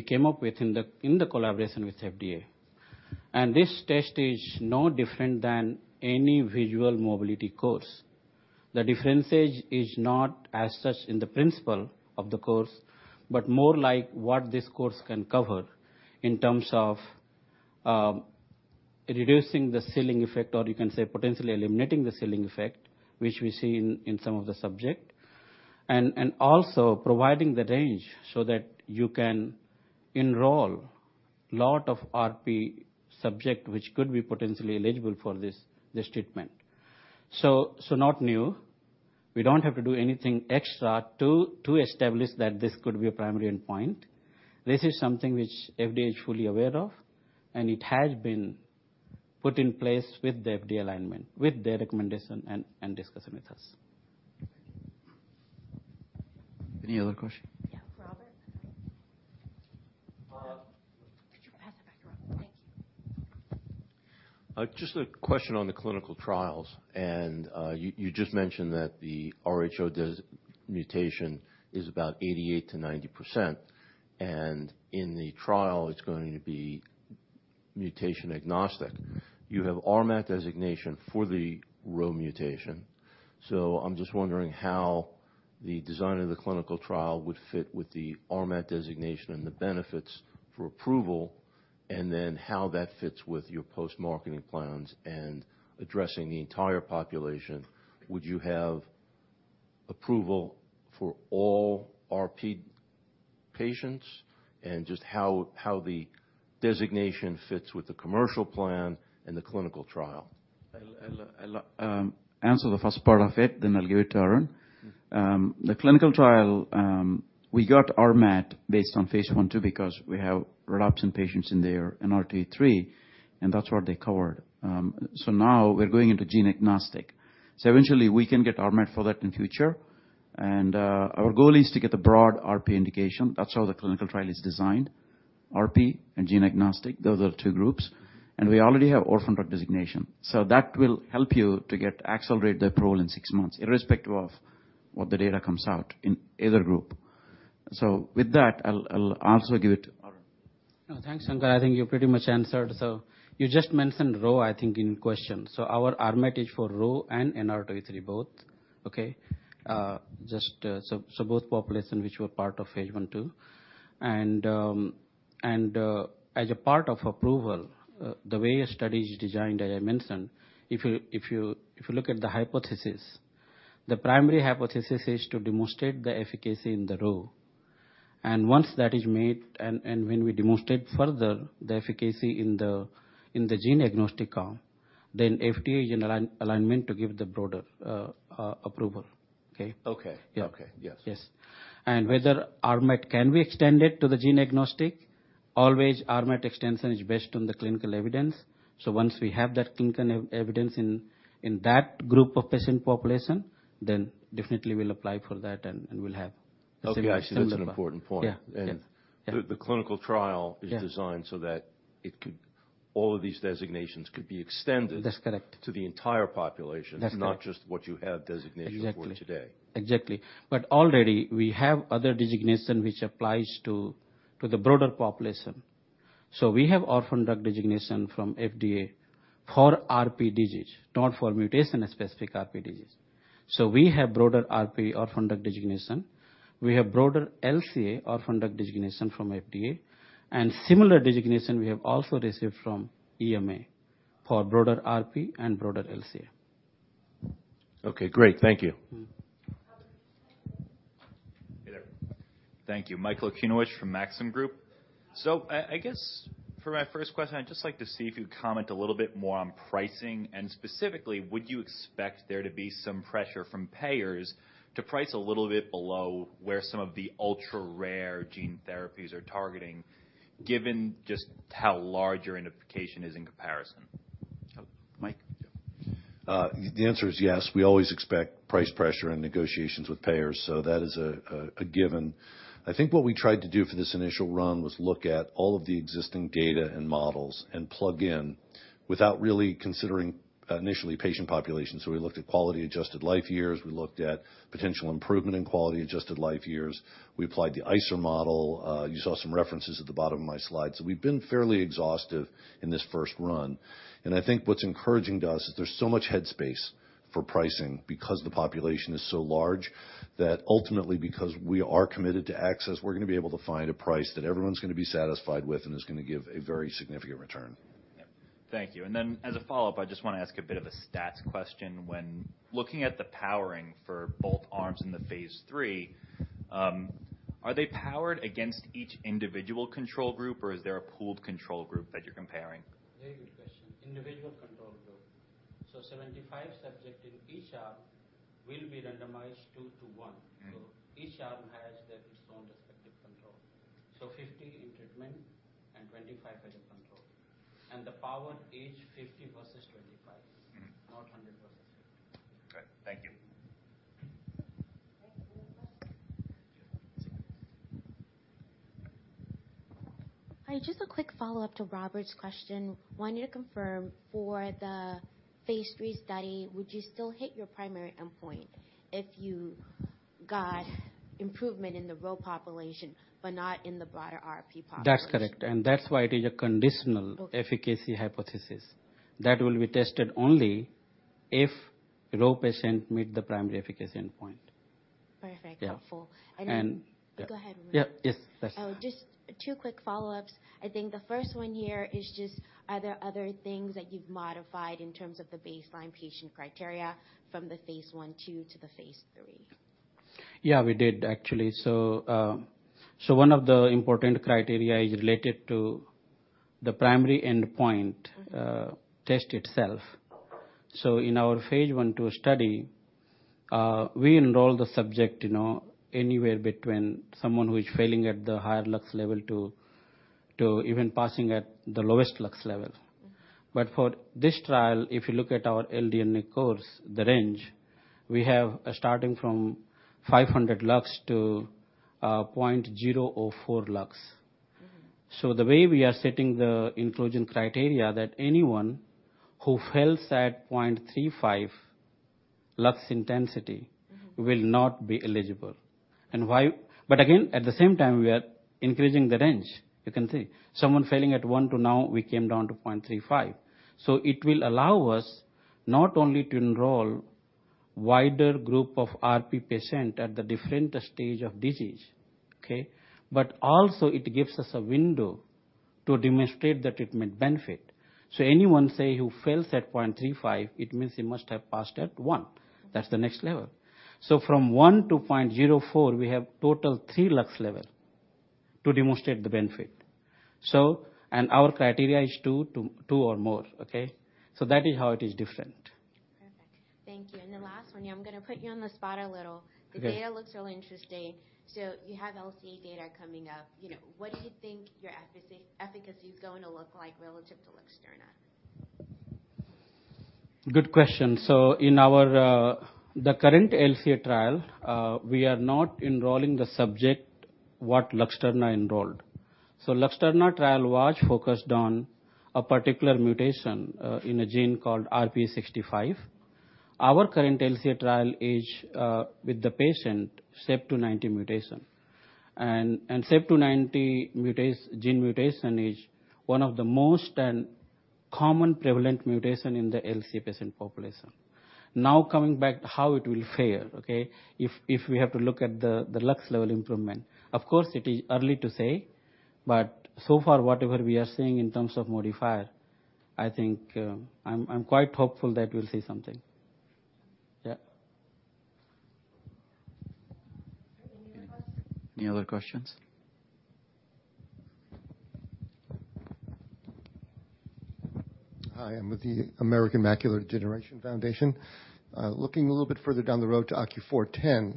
came up with in the collaboration with FDA. And this test is no different than any visual mobility course. The difference is not as such in the principle of the course, but more like what this course can cover in terms of reducing the ceiling effect, or you can say, potentially eliminating the ceiling effect, which we see in some of the subject. And also providing the range so that you can enroll a lot of RP subject, which could be potentially eligible for this treatment. So not new. We don't have to do anything extra to establish that this could be a primary endpoint. This is something which FDA is fully aware of, and it has been put in place with the FDA alignment, with their recommendation and discussion with us. Any other question? Yeah, Robert. Could you pass it back, Robert? Thank you. Just a question on the clinical trials. You just mentioned that the RHO mutation is about 88%-90%, and in the trial it's going to be mutation agnostic. Mm-hmm. You have RMAT designation for the RHO mutation. So I'm just wondering how the design of the clinical trial would fit with the RMAT designation and the benefits for approval, and then how that fits with your post-marketing plans and addressing the entire population. Would you have approval for all RP patients? And just how, how the designation fits with the commercial plan and the clinical trial? I'll answer the first part of it, then I'll give it to Arun. The clinical trial, we got RMAT based on phase 1/2, because we have retinitis pigmentosa patients in there, NR2E3, and that's what they covered. So now we're going into gene agnostic. So eventually, we can get RMAT for that in future. And our goal is to get the broad RP indication. That's how the clinical trial is designed, RP and gene agnostic. Those are the two groups, and we already have orphan drug designation. So that will help to accelerate the approval in six months, irrespective of what the data comes out in either group. So with that, I'll also give it to Arun. No, thanks, Shankar. I think you pretty much answered. So you just mentioned RHO, I think, in question. So our RMAT is for RHO and NR2E3, both, okay? Just, so both populations, which were part of phase 1, too. And, as a part of approval, the way a study is designed, as I mentioned, if you, if you, if you look at the hypothesis, the primary hypothesis is to demonstrate the efficacy in the RHO. And once that is made, and when we demonstrate further the efficacy in the gene agnostic arm, then FDA in alignment to give the broader approval. Okay? Okay. Yeah. Okay. Yes. Yes. And whether RMAT can be extended to the gene agnostic, always, RMAT extension is based on the clinical evidence. So once we have that clinical evidence in that group of patient population, then definitely we'll apply for that and we'll have- Okay, I see. That's an important point. Yeah. Yeah. And the clinical trial- Yeah is designed so that it could... All of these designations could be extended... That's correct - to the entire population- That's correct not just what you have designation for today. Exactly. Exactly. But already we have other designation, which applies to, to the broader population. So we have Orphan Drug Designation from FDA for RP disease, not for mutation-specific RP disease. So we have broader RP Orphan Drug Designation. We have broader LCA Orphan Drug Designation from FDA, and similar designation we have also received from EMA for broader RP and broader RP and broader LCA. Okay, great. Thank you. Mm-hmm. Robert. Hey there. Thank you. Michael Okunewitch from Maxim Group. So I guess for my first question, I'd just like to see if you'd comment a little bit more on pricing, and specifically, would you expect there to be some pressure from payers to price a little bit below where some of the ultra-rare gene therapies are targeting, given just how large your indication is in comparison? Oh, Mike? The answer is yes. We always expect price pressure and negotiations with payers, so that is a given. I think what we tried to do for this initial run was look at all of the existing data and models and plug in without really considering initially patient population. So we looked at quality-adjusted life years. We looked at potential improvement in quality-adjusted life years. We applied the ICER model. You saw some references at the bottom of my slide. So we've been fairly exhaustive in this first run, and I think what's encouraging to us is there's so much head space for pricing because the population is so large, that ultimately, because we are committed to access, we're going to be able to find a price that everyone's going to be satisfied with and is going to give a very significant return. Yeah. Thank you. And then, as a follow-up, I just want to ask a bit of a stats question. When looking at the powering for both arms in the phase 3, are they powered against each individual control group, or is there a pooled control group that you're comparing? Very good question. Individual control group. 75 subjects in each arm will be randomized 2:1. Mm-hmm. Each arm has their own respective control. 50 in treatment and 25 as a control. The power is 50 versus 25. Mm-hmm. not 100 versus 50. Okay, thank you. Any more questions? Hi, just a quick follow-up to Robert's question. Wanted to confirm for the phase 3 study, would you still hit your primary endpoint if you got improvement in the RHO population, but not in the broader RP population? That's correct, and that's why it is a conditional- Okay. efficacy hypothesis that will be tested only if RP patient meets the primary efficacy endpoint. Perfect. Yeah. Thankful. And- Go ahead. Yeah. Yes, that's- Just two quick follow-ups. I think the first one here is just, are there other things that you've modified in terms of the baseline patient criteria from the phase 1/2 to the phase 3? Yeah, we did, actually. So, so one of the important criteria is related to the primary endpoint, test itself. So in our phase 1/2 study, we enroll the subject, you know, anywhere between someone who is failing at the higher lux level to even passing at the lowest lux level. Mm-hmm. But for this trial, if you look at our LDN course, the range, we have starting from 500 lux-0.004 lux. Mm-hmm. The way we are setting the inclusion criteria, that anyone who fails at 0.35 lux intensity- Mm-hmm. - will not be eligible. And why? But again, at the same time, we are increasing the range. You can see. Someone failing at 1 to now, we came down to 0.35. So it will allow us not only to enroll wider group of RP patient at the different stage of disease, okay? But also it gives us a window to demonstrate the treatment benefit. So anyone, say, who fails at 0.35, it means he must have passed at 1. Mm-hmm. That's the next level. So from 1 to 0.04, we have total 3 lux levels to demonstrate the benefit. And our criteria is 2 or more, okay? So that is how it is different. Perfect. Thank you. The last one here, I'm gonna put you on the spot a little. Okay. The data looks really interesting. So you have LCA data coming up. You know, what do you think your efficacy is going to look like relative to Luxturna? Good question. So in our, the current LCA trial, we are not enrolling the subject what Luxturna enrolled. So Luxturna trial was focused on a particular mutation, in a gene called RPE65. Our current LCA trial is, with the patient CEP290 mutation. And, CEP290 gene mutation is one of the most and common prevalent mutation in the LCA patient population. Now, coming back to how it will fare, okay? If, we have to look at the, the lux level improvement. Of course, it is early to say, but so far, whatever we are seeing in terms of modifier, I think, I'm quite hopeful that we'll see something. Yeah. Any other questions? Any other questions? Hi, I'm with the American Macular Degeneration Foundation. Looking a little bit further down the road to OCU410,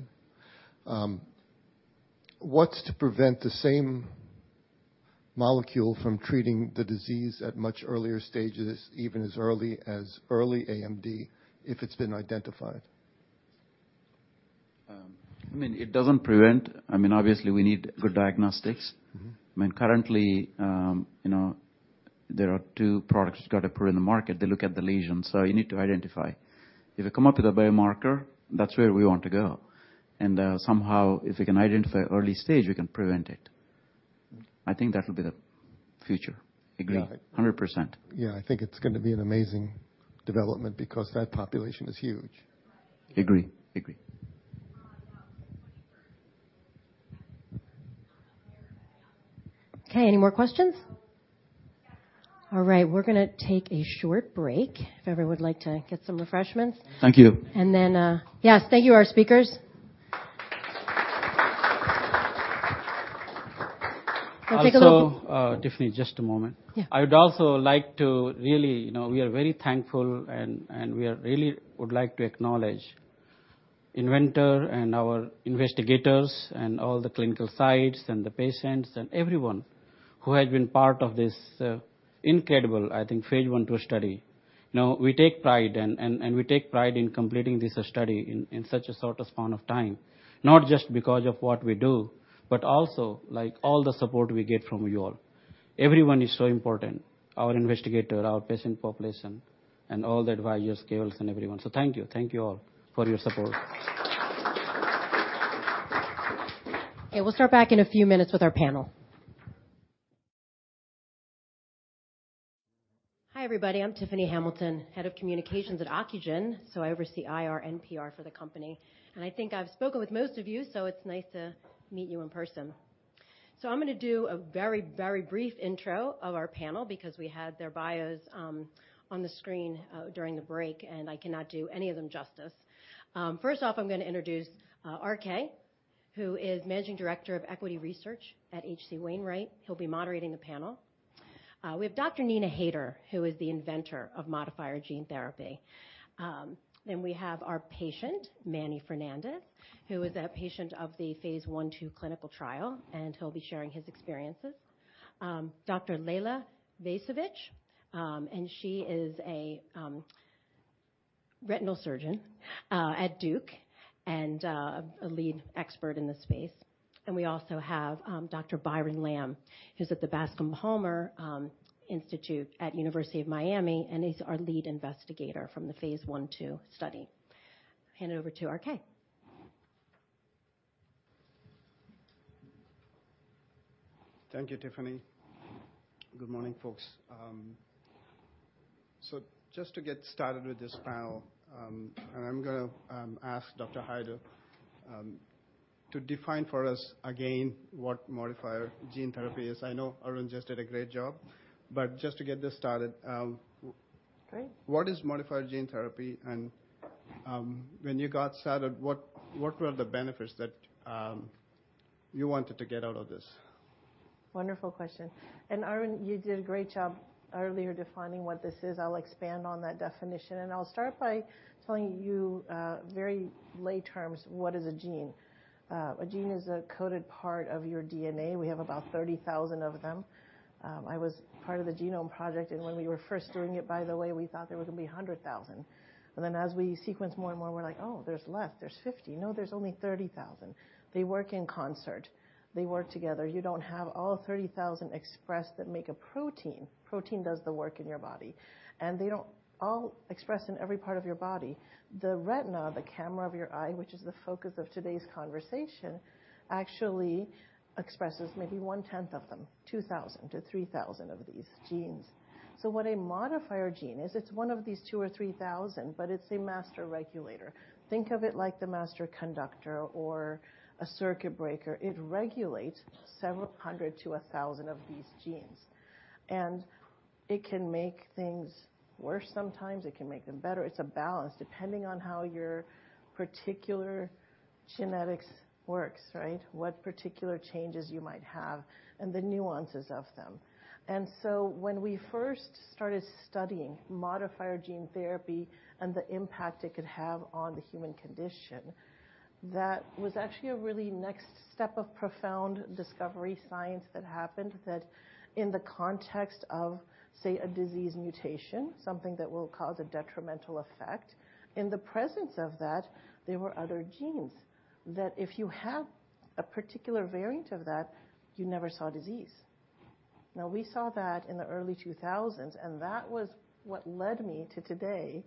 what's to prevent the same molecule from treating the disease at much earlier stages, even as early as early AMD, if it's been identified? I mean, it doesn't prevent... I mean, obviously, we need good diagnostics. Mm-hmm. I mean, currently, you know, there are two products you gotta put in the market. They look at the lesion, so you need to identify. If you come up with a biomarker, that's where we want to go. And, somehow, if we can identify early stage, we can prevent it. I think that will be the future. Agree. Got it. Hundred percent. Yeah, I think it's gonna be an amazing development because that population is huge. Agree. Agree. Okay, any more questions? All right, we're gonna take a short break if everyone would like to get some refreshments. Thank you. Then, yes, thank you, our speakers. So take a look- Also, Tiffany, just a moment. Yeah. I would also like to really, you know, we are very thankful, and we are really would like to acknowledge inventor and our investigators, and all the clinical sites, and the patients, and everyone who has been part of this incredible, I think, phase one, two study. Now, we take pride, and we take pride in completing this study in such a short span of time, not just because of what we do, but also, like, all the support we get from you all. Everyone is so important, our investigator, our patient population, and all the advisors, KOLs, and everyone. So thank you. Thank you all for your support. We'll start back in a few minutes with our panel. Hi, everybody, I'm Tiffany Hamilton, Head of Communications at Ocugen, so I oversee IR and PR for the company. I think I've spoken with most of you, so it's nice to meet you in person. I'm gonna do a very, very brief intro of our panel because we had their bios on the screen during the break, and I cannot do any of them justice. First off, I'm gonna introduce RK, who is Managing Director of Equity Research at H.C. Wainwright. He'll be moderating the panel. We have Dr. Neena Haider, who is the inventor of modifier gene therapy. Then we have our patient, Manny Fernandez, who is a patient of the phase 1/2 clinical trial, and he'll be sharing his experiences. Dr. Lejla Wajsarowicz, and she is a retinal surgeon at Duke and a lead expert in this space. We also have Dr. Byron Lam, who's at the Bascom Palmer Institute at University of Miami, and he's our lead investigator from the phase 1/2 study. Hand it over to RK. Thank you, Tiffany. Good morning, folks. So just to get started with this panel, and I'm gonna ask Dr. Haider to define for us again what modifier gene therapy is. I know Arun just did a great job, but just to get this started. Great. What is modifier gene therapy, and when you got started, what were the benefits that you wanted to get out of this? Wonderful question. And, Arun, you did a great job earlier defining what this is. I'll expand on that definition, and I'll start by telling you, very lay terms, what is a gene? A gene is a coded part of your DNA. We have about 30,000 of them. I was part of the Genome Project, and when we were first doing it, by the way, we thought there were gonna be 100,000. And then as we sequenced more and more, we're like: "Oh, there's less. There's 50,000. No, there's only 30,000." They work in concert. They work together. You don't have all 30,000 expressed that make a protein. Protein does the work in your body, and they don't all express in every part of your body. The retina, the camera of your eye, which is the focus of today's conversation, actually expresses maybe one-tenth of them, 2,000-3,000 of these genes. So what a modifier gene is, it's one of these 2,000 or 3,000, but it's a master regulator. Think of it like the master conductor or a circuit breaker. It regulates several hundred to 1,000 of these genes, and it can make things worse sometimes. It can make them better. It's a balance, depending on how your particular genetics works, right? What particular changes you might have and the nuances of them. When we first started studying modifier gene therapy and the impact it could have on the human condition, that was actually a really next step of profound discovery science that happened, that in the context of, say, a disease mutation, something that will cause a detrimental effect, in the presence of that, there were other genes that if you have a particular variant of that, you never saw disease. Now, we saw that in the early 2000s, and that was what led me to today,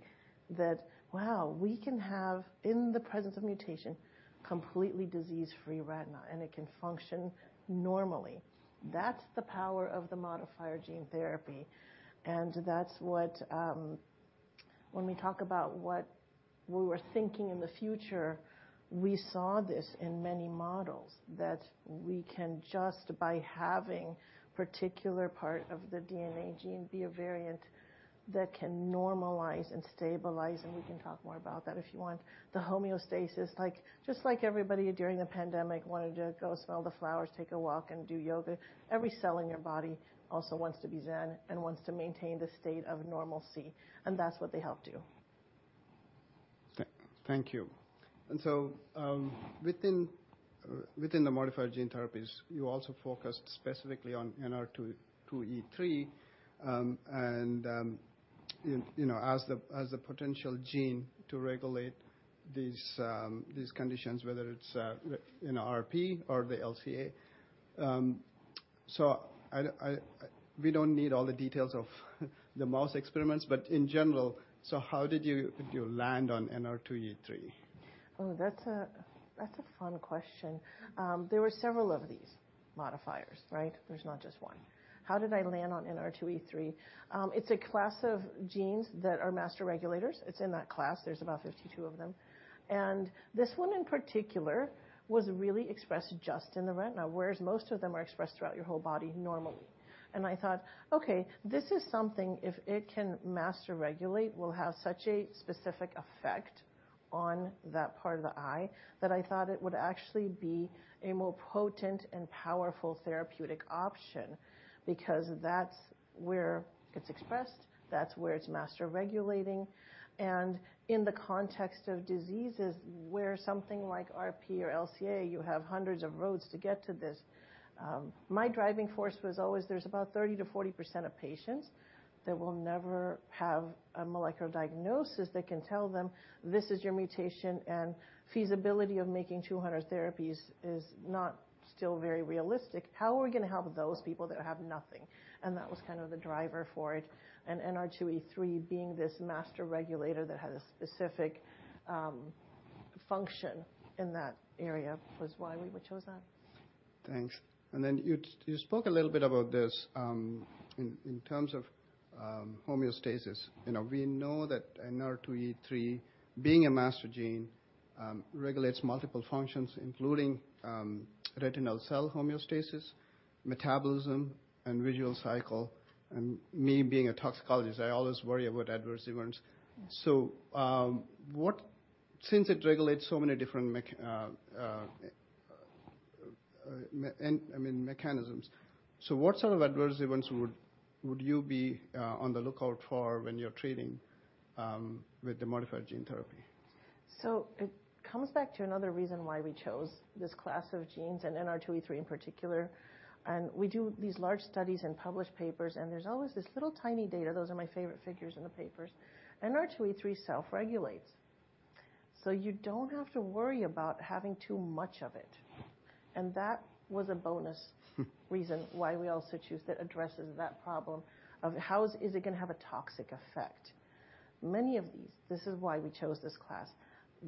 that, wow, we can have, in the presence of mutation, completely disease-free retina, and it can function normally. That's the power of the modifier gene therapy, and that's what, when we talk about what we were thinking in the future, we saw this in many models, that we can just by having particular part of the DNA gene be a variant that can normalize and stabilize, and we can talk more about that if you want. The homeostasis, like, just like everybody during the pandemic wanted to go smell the flowers, take a walk, and do yoga, every cell in your body also wants to be zen and wants to maintain the state of normalcy, and that's what they help do. Thank you. And so, within the modifier gene therapies, you also focused specifically on NR2E3, you know, as the potential gene to regulate these conditions, whether it's in RP or the LCA. So, we don't need all the details of the mouse experiments, but in general, how did you land on NR2E3? Oh, that's a, that's a fun question. There were several of these modifiers, right? There's not just one. How did I land on NR2E3? It's a class of genes that are master regulators. It's in that class. There's about 52 of them. And this one, in particular, was really expressed just in the retina, whereas most of them are expressed throughout your whole body normally. And I thought, okay, this is something if it can master regulate, will have such a specific effect on that part of the eye, that I thought it would actually be a more potent and powerful therapeutic option because that's where it's expressed, that's where it's master regulating. And in the context of diseases where something like RP or LCA, you have hundreds of roads to get to this. My driving force was always there's about 30%-40% of patients that will never have a molecular diagnosis that can tell them, this is your mutation, and feasibility of making 200 therapies is not still very realistic. How are we gonna help those people that have nothing? And that was kind of the driver for it. And NR2E3 being this master regulator that had a specific function in that area was why we chose that. Thanks. And then you spoke a little bit about this, in terms of homeostasis. You know, we know that NR2E3, being a master gene, regulates multiple functions, including retinal cell homeostasis, metabolism and visual cycle, and me being a toxicologist, I always worry about adverse events. So, since it regulates so many different mechanisms, so what sort of adverse events would you be on the lookout for when you're treating with the modifier gene therapy? So it comes back to another reason why we chose this class of genes and NR2E3 in particular. We do these large studies and publish papers, and there's always this little tiny data. Those are my favorite figures in the papers. NR2E3 self-regulates, so you don't have to worry about having too much of it. And that was a bonus reason why we also choose, that addresses that problem of how is it gonna have a toxic effect? Many of these, this is why we chose this class.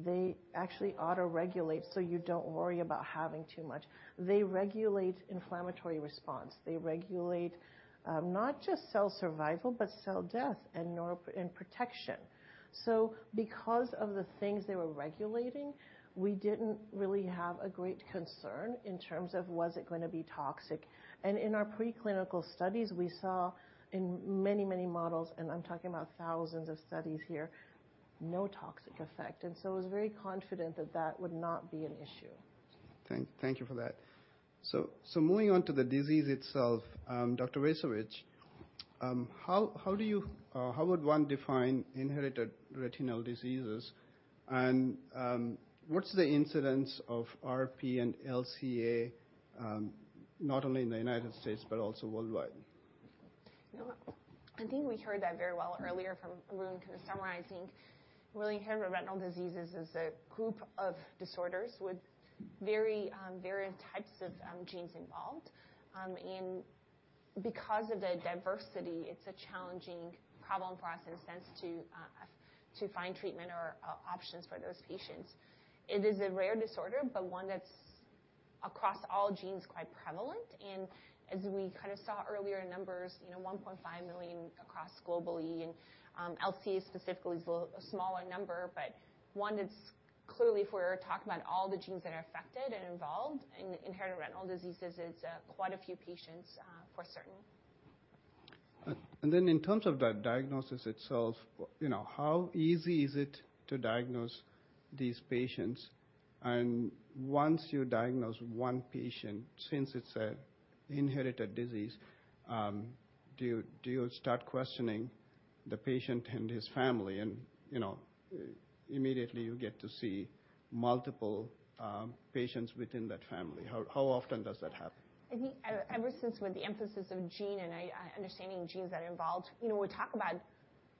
They actually autoregulate, so you don't worry about having too much. They regulate inflammatory response, they regulate, not just cell survival, but cell death and neuro, and protection. So because of the things they were regulating, we didn't really have a great concern in terms of was it gonna be toxic. In our preclinical studies, we saw in many, many models, and I'm talking about thousands of studies here, no toxic effect. And so I was very confident that that would not be an issue. Thank you for that. So moving on to the disease itself, Dr. Vajzovic, how would one define inherited retinal diseases? And, what's the incidence of RP and LCA, not only in the United States, but also worldwide? You know, I think we heard that very well earlier from Arun kind of summarizing. Really, inherited retinal diseases is a group of disorders with very, various types of, genes involved. And because of the diversity, it's a challenging problem for us, in a sense, to, to find treatment or, or options for those patients. It is a rare disorder, but one that's, across all genes, quite prevalent, and as we kind of saw earlier in numbers, you know, 1.5 million across globally. And, LCA specifically is a smaller number, but one that's clearly, if we're talking about all the genes that are affected and involved in inherited retinal diseases, it's, quite a few patients, for certain. In terms of that diagnosis itself, you know, how easy is it to diagnose these patients? Once you diagnose one patient, since it's an inherited disease, do you start questioning the patient and his family and, you know, immediately you get to see multiple patients within that family? How often does that happen? I think ever since, with the emphasis on gene and eye, understanding genes that are involved, you know, we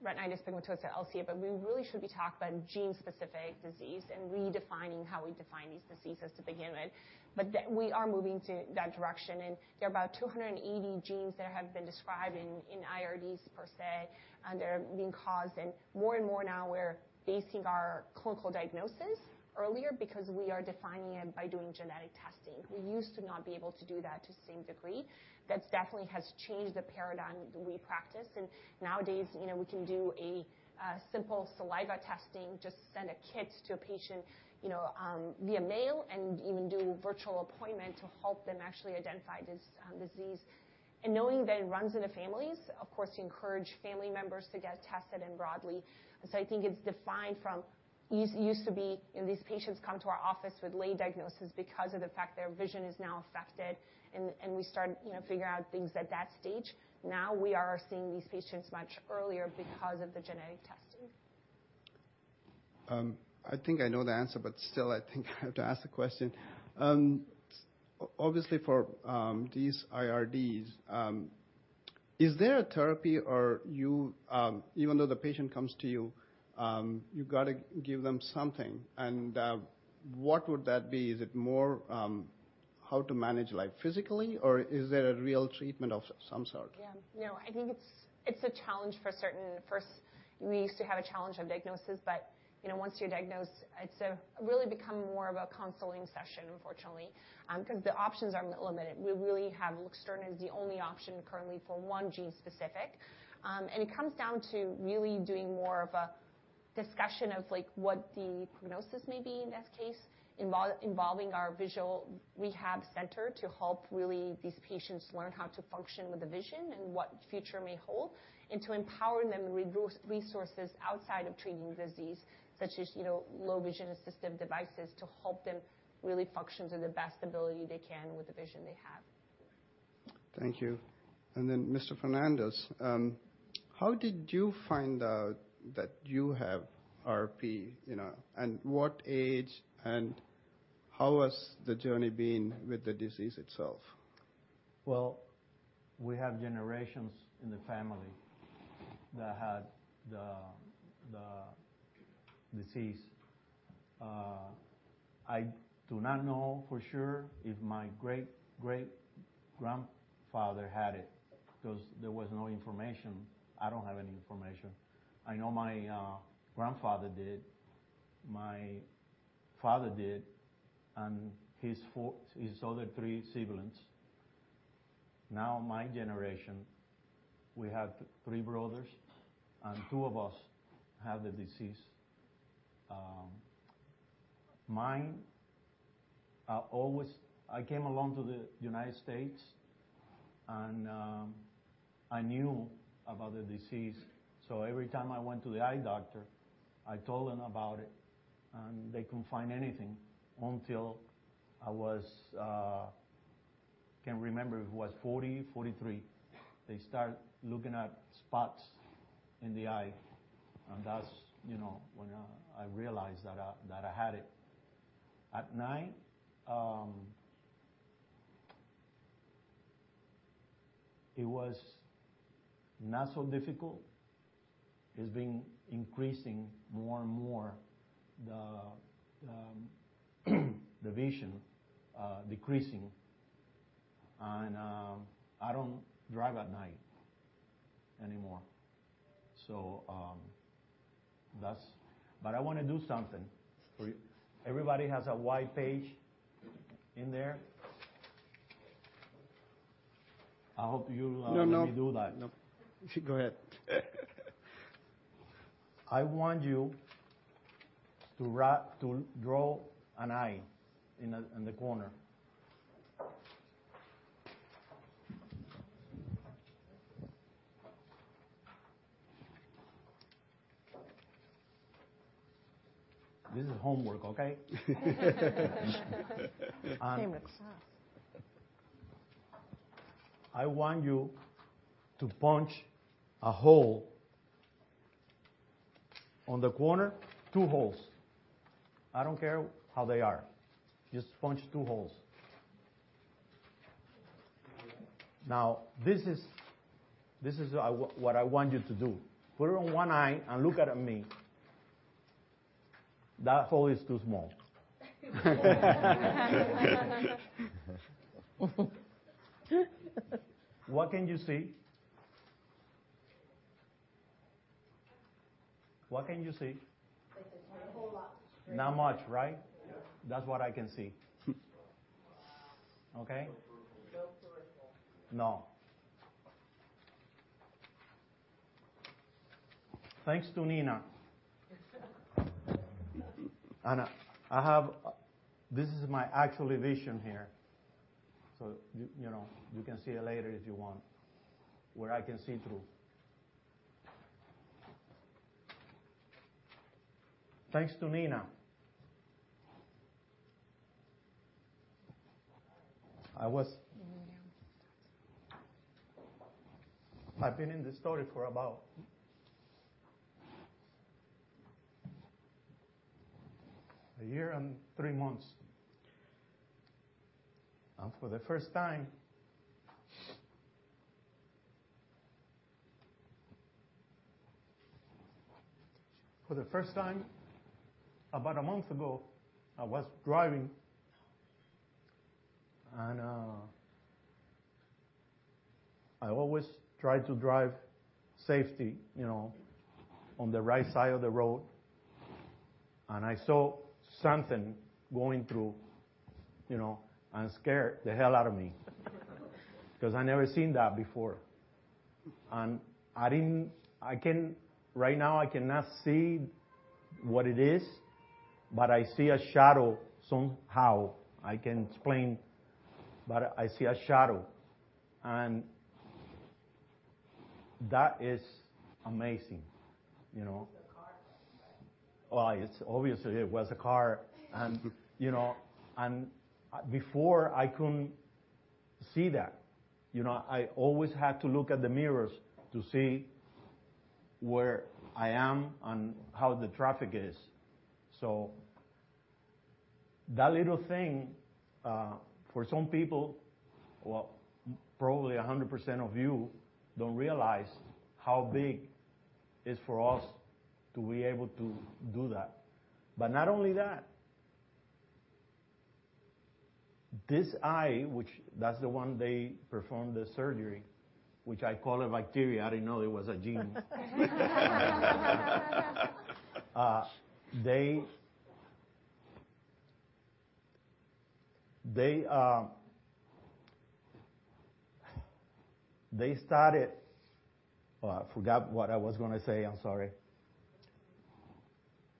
talk about retinitis pigmentosa, LCA, but we really should be talking about gene-specific disease and redefining how we define these diseases to begin with. But that we are moving to that direction, and there are about 280 genes that have been described in IRDs per se, and they're being caused... And more and more now, we're basing our clinical diagnosis earlier because we are defining it by doing genetic testing. We used to not be able to do that to the same degree. That definitely has changed the paradigm we practice, and nowadays, you know, we can do a simple saliva testing, just send a kit to a patient, you know, via mail, and even do a virtual appointment to help them actually identify this disease. And knowing that it runs in the families, of course, we encourage family members to get tested and broadly. So I think it's defined from... It used to be, these patients come to our office with lay diagnosis because of the fact their vision is now affected, and we start, you know, figuring out things at that stage. Now, we are seeing these patients much earlier because of the genetic testing. I think I know the answer, but still, I think I have to ask the question. Obviously, for these IRDs, is there a therapy or you, even though the patient comes to you, you've got to give them something, and what would that be? Is it more, how to manage life physically, or is there a real treatment of some sort? Yeah. You know, I think it's a challenge for certain. First, we used to have a challenge of diagnosis, but, you know, once you're diagnosed, it's really become more of a counseling session, unfortunately, 'cause the options are limited. We really have Luxturna as the only option currently for one gene specific. And it comes down to really doing more of a discussion of like, what the prognosis may be in this case, involving our visual rehab center, to help really these patients learn how to function with the vision and what future may hold, and to empower them with resources outside of treating the disease, such as, you know, low vision assistive devices to help them really function to the best ability they can with the vision they have. Thank you. Mr. Fernandez, how did you find out that you have RP, you know, and what age, and how has the journey been with the disease itself? Well, we have generations in the family that had the disease. I do not know for sure if my great-great-grandfather had it, 'cause there was no information. I don't have any information. I know my grandfather did, my father did, and his other three siblings. Now, my generation, we have three brothers, and two of us have the disease. Mine always- I came along to the United States, and I knew about the disease. So every time I went to the eye doctor, I told them about it, and they couldn't find anything until I was. I can't remember if I was 40, 43. They start looking at spots in the eye, and that's, you know, when I realized that I had it. At night, it was not so difficult. It's been increasing more and more, the vision decreasing, and I don't drive at night anymore. So, that's... But I wanna do something. So everybody has a white page in there? I hope you, No, no. Let me do that. Nope. Go ahead. I want you to write—to draw an eye in the, in the corner. This is homework, okay? Homework. I want you to punch a hole on the corner, two holes. I don't care how they are. Just punch two holes. Now, this is what I want you to do. Put it on one eye and look at me. That hole is too small. What can you see? What can you see? Not a whole lot. Not much, right? Yeah. That's what I can see. Okay? No peripheral. No. Thanks to Neena. I have... this is my actual vision here. So you know, you can see it later if you want, where I can see through. Thanks to Neena. I was- Yeah. I've been in this story for about a year and three months. For the first time, about a month ago, I was driving, and I always try to drive safely, you know, on the right side of the road. And I saw something going through, you know, and scared the hell out of me... 'cause I'd never seen that before. Right now, I cannot see what it is, but I see a shadow somehow. I can't explain, but I see a shadow, and that is amazing, you know? It's a car. Well, it's obviously it was a car, and, you know, and, before I couldn't see that, you know, I always had to look at the mirrors to see where I am and how the traffic is. So that little thing, for some people, well, probably 100% of you, don't realize how big it's for us to be able to do that. But not only that, this eye, which that's the one they performed the surgery, which I call a bacteria. I didn't know it was a gene. They, they, they started... I forgot what I was gonna say. I'm sorry.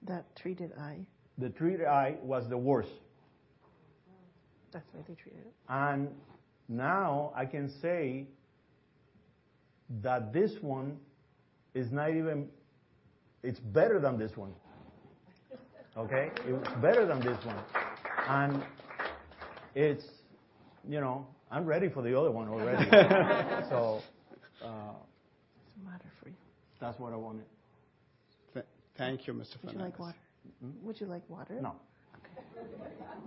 The treated eye. The treated eye was the worst. That's why they treated it. Now I can say that it's better than this one. Okay? It's better than this one. And it's... You know, I'm ready for the other one already. So, It's a matter for you. That's what I wanted. Thank you, Mr. Fernandez. Would you like water? Hmm? Would you like water? No. Okay.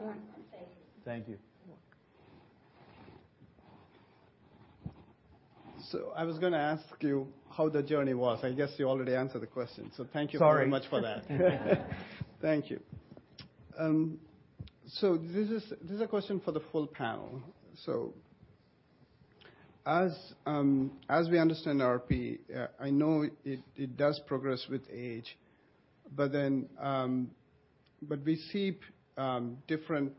Thank you. Thank you. You're welcome. I was gonna ask you how the journey was. I guess you already answered the question, so thank you. Sorry... very much for that. Thank you. So this is a question for the full panel. So as we understand RP, I know it does progress with age, but then... But we see different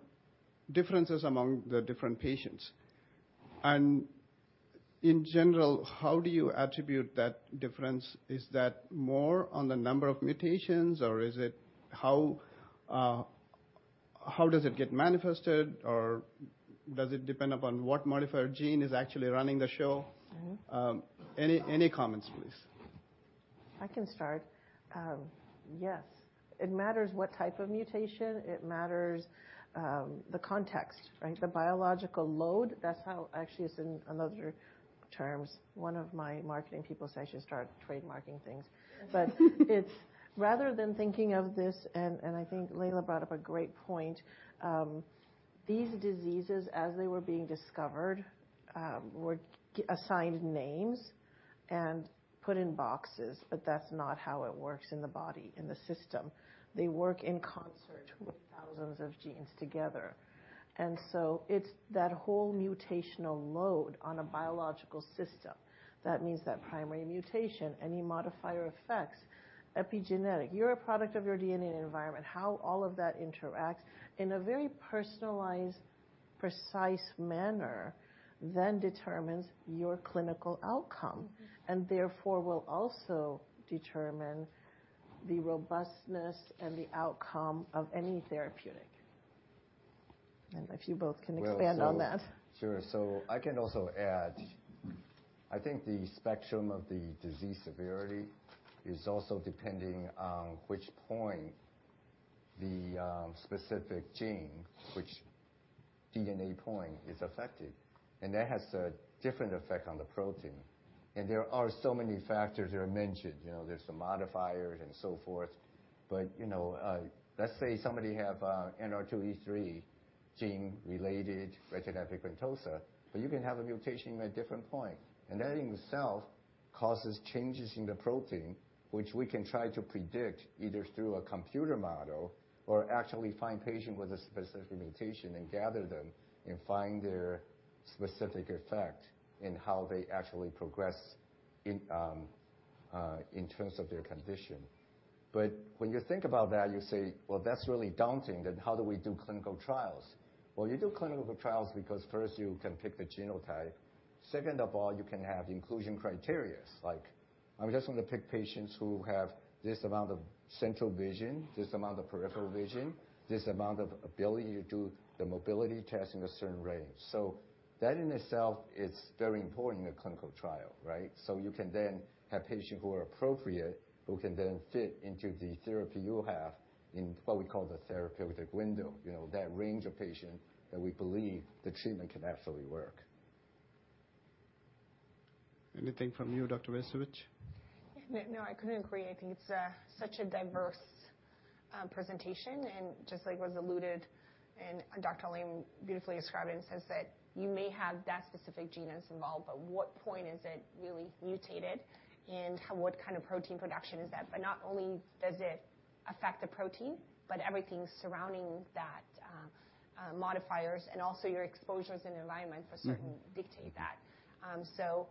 differences among the different patients. In general, how do you attribute that difference? Is that more on the number of mutations, or is it how it gets manifested, or does it depend upon what modifier gene is actually running the show? Mm-hmm. Any comments, please? I can start. Yes, it matters what type of mutation. It matters, the context, right? The biological load, that's how actually it's in another terms. One of my marketing people says I should start trademarking things. But it's rather than thinking of this, and I think Lejla brought up a great point, these diseases, as they were being discovered, were assigned names and put in boxes, but that's not how it works in the body, in the system. They work in concert with thousands of genes together. And so it's that whole mutational load on a biological system. That means that primary mutation, any modifier effects, epigenetic. You're a product of your DNA and environment. How all of that interacts in a very personalized, precise manner, then determines your clinical outcome, and therefore, will also determine the robustness and the outcome of any therapeutic. If you both can expand on that. Well, so, sure. So I can also add, I think the spectrum of the disease severity is also depending on which point the specific gene, which DNA point is affected, and that has a different effect on the protein. There are so many factors that are mentioned. You know, there's the modifiers and so forth. But, you know, let's say somebody have a NR2E3 gene-related retinitis pigmentosa, but you can have a mutation at a different point, and that in itself causes changes in the protein, which we can try to predict either through a computer model or actually find patient with a specific mutation and gather them and find their specific effect in how they actually progress in, in terms of their condition. But when you think about that, you say, "Well, that's really daunting, then how do we do clinical trials?" Well, you do clinical trials because first, you can pick the genotype. Second of all, you can have inclusion criteria, like, I just want to pick patients who have this amount of central vision, this amount of peripheral vision, this amount of ability to do the mobility test in a certain range. So that in itself is very important in a clinical trial, right? So you can then have patients who are appropriate, who can then fit into the therapy you have in what we call the therapeutic window, you know, that range of patient that we believe the treatment can absolutely work. Anything from you, Dr. Vajzovic? No, I couldn't agree. I think it's such a diverse presentation, and just like was alluded and Dr. Lam beautifully described and says that you may have that specific gene involved, but what point is it really mutated, and what kind of protein production is that? But not only does it affect the protein, but everything surrounding that, modifiers, and also your exposures and environment for certain dictate that. So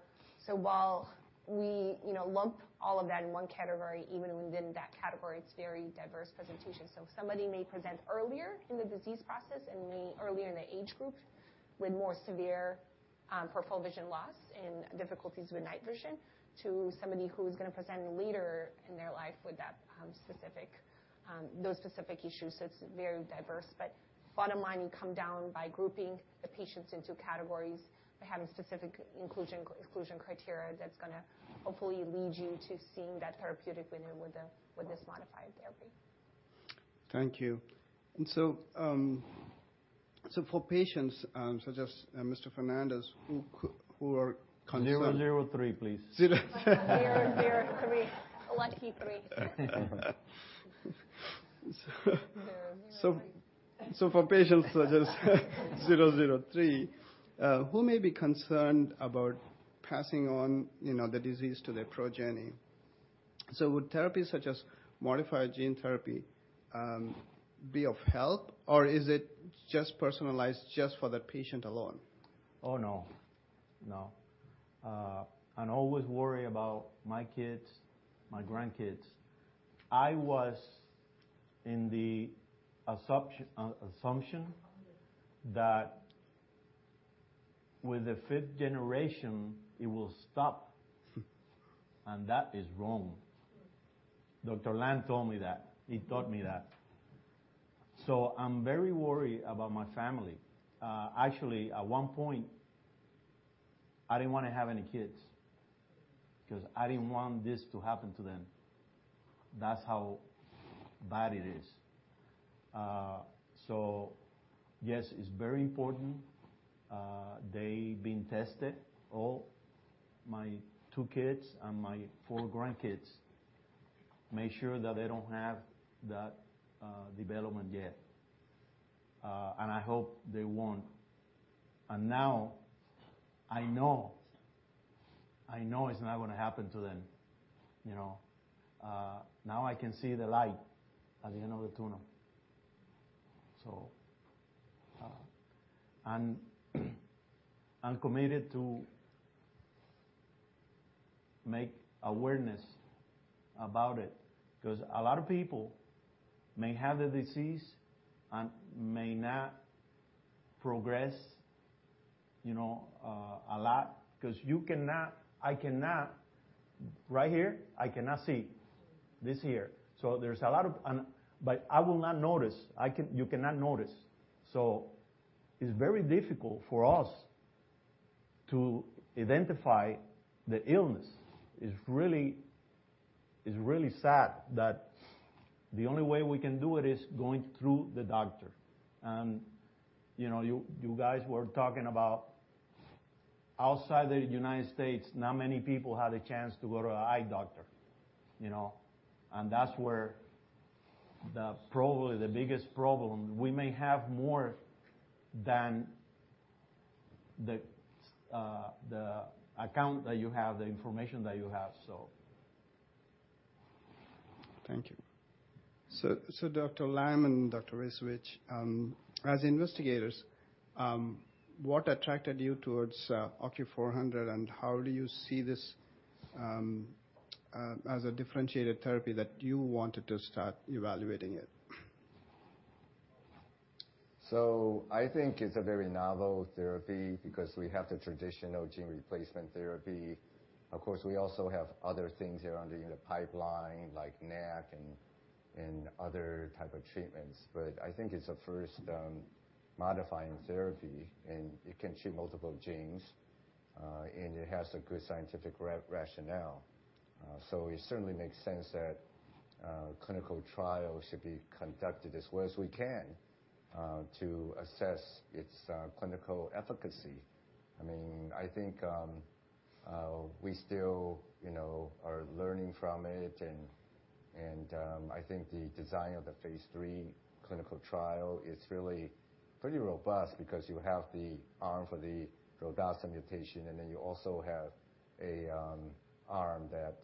while we, you know, lump all of that in one category, even within that category, it's very diverse presentation. So somebody may present earlier in the disease process and may earlier in the age group with more severe peripheral vision loss and difficulties with night vision, to somebody who's gonna present later in their life with that specific, those specific issues. So it's very diverse, but bottom line, you come down by grouping the patients into categories by having specific inclusion criteria that's gonna hopefully lead you to seeing that therapeutic window with the- Mm-hmm... with this modified therapy. Thank you. And so, for patients, such as Mr. Fernandez, who are concerned- 003, please. Zero. 0, 0, 3. Lucky 3. So for patients such as zero, zero three, who may be concerned about passing on, you know, the disease to their progeny, so would therapies such as modified gene therapy be of help, or is it just personalized just for the patient alone? Oh, no. No. I'm always worried about my kids, my grandkids. I was in the assumpt- assumption that with the fifth generation, it will stop, and that is wrong. Dr. Lam told me that. He taught me that. So I'm very worried about my family. Actually, at one point, I didn't want to have any kids because I didn't want this to happen to them. That's how bad it is. So yes, it's very important they being tested, all my two kids and my four grandkids, make sure that they don't have that development yet. And I hope they won't. And now, I know, I know it's not gonna happen to them, you know. Now I can see the light at the end of the tunnel. So, and, I'm committed to-... Make awareness about it, because a lot of people may have the disease and may not progress, you know, a lot, because you cannot, I cannot, right here, I cannot see this here. So there's a lot of but I will not notice. You cannot notice. So it's very difficult for us to identify the illness. It's really, it's really sad that the only way we can do it is going through the doctor. And, you know, you, you guys were talking about outside the United States, not many people have the chance to go to an eye doctor, you know? And that's where probably the biggest problem, we may have more than the, the account that you have, the information that you have, so. Thank you. So, Dr. Lam and Dr. Rasovic, as investigators, what attracted you towards OCU400, and how do you see this as a differentiated therapy that you wanted to start evaluating it? So I think it's a very novel therapy because we have the traditional gene replacement therapy. Of course, we also have other things here under in the pipeline, like NAC and other type of treatments. But I think it's a first modifying therapy, and it can treat multiple genes, and it has a good scientific rationale. So it certainly makes sense that clinical trials should be conducted as well as we can to assess its clinical efficacy. I mean, I think we still, you know, are learning from it, and I think the design of the phase 3 clinical trial is really pretty robust because you have the arm for the rhodopsin mutation, and then you also have an arm that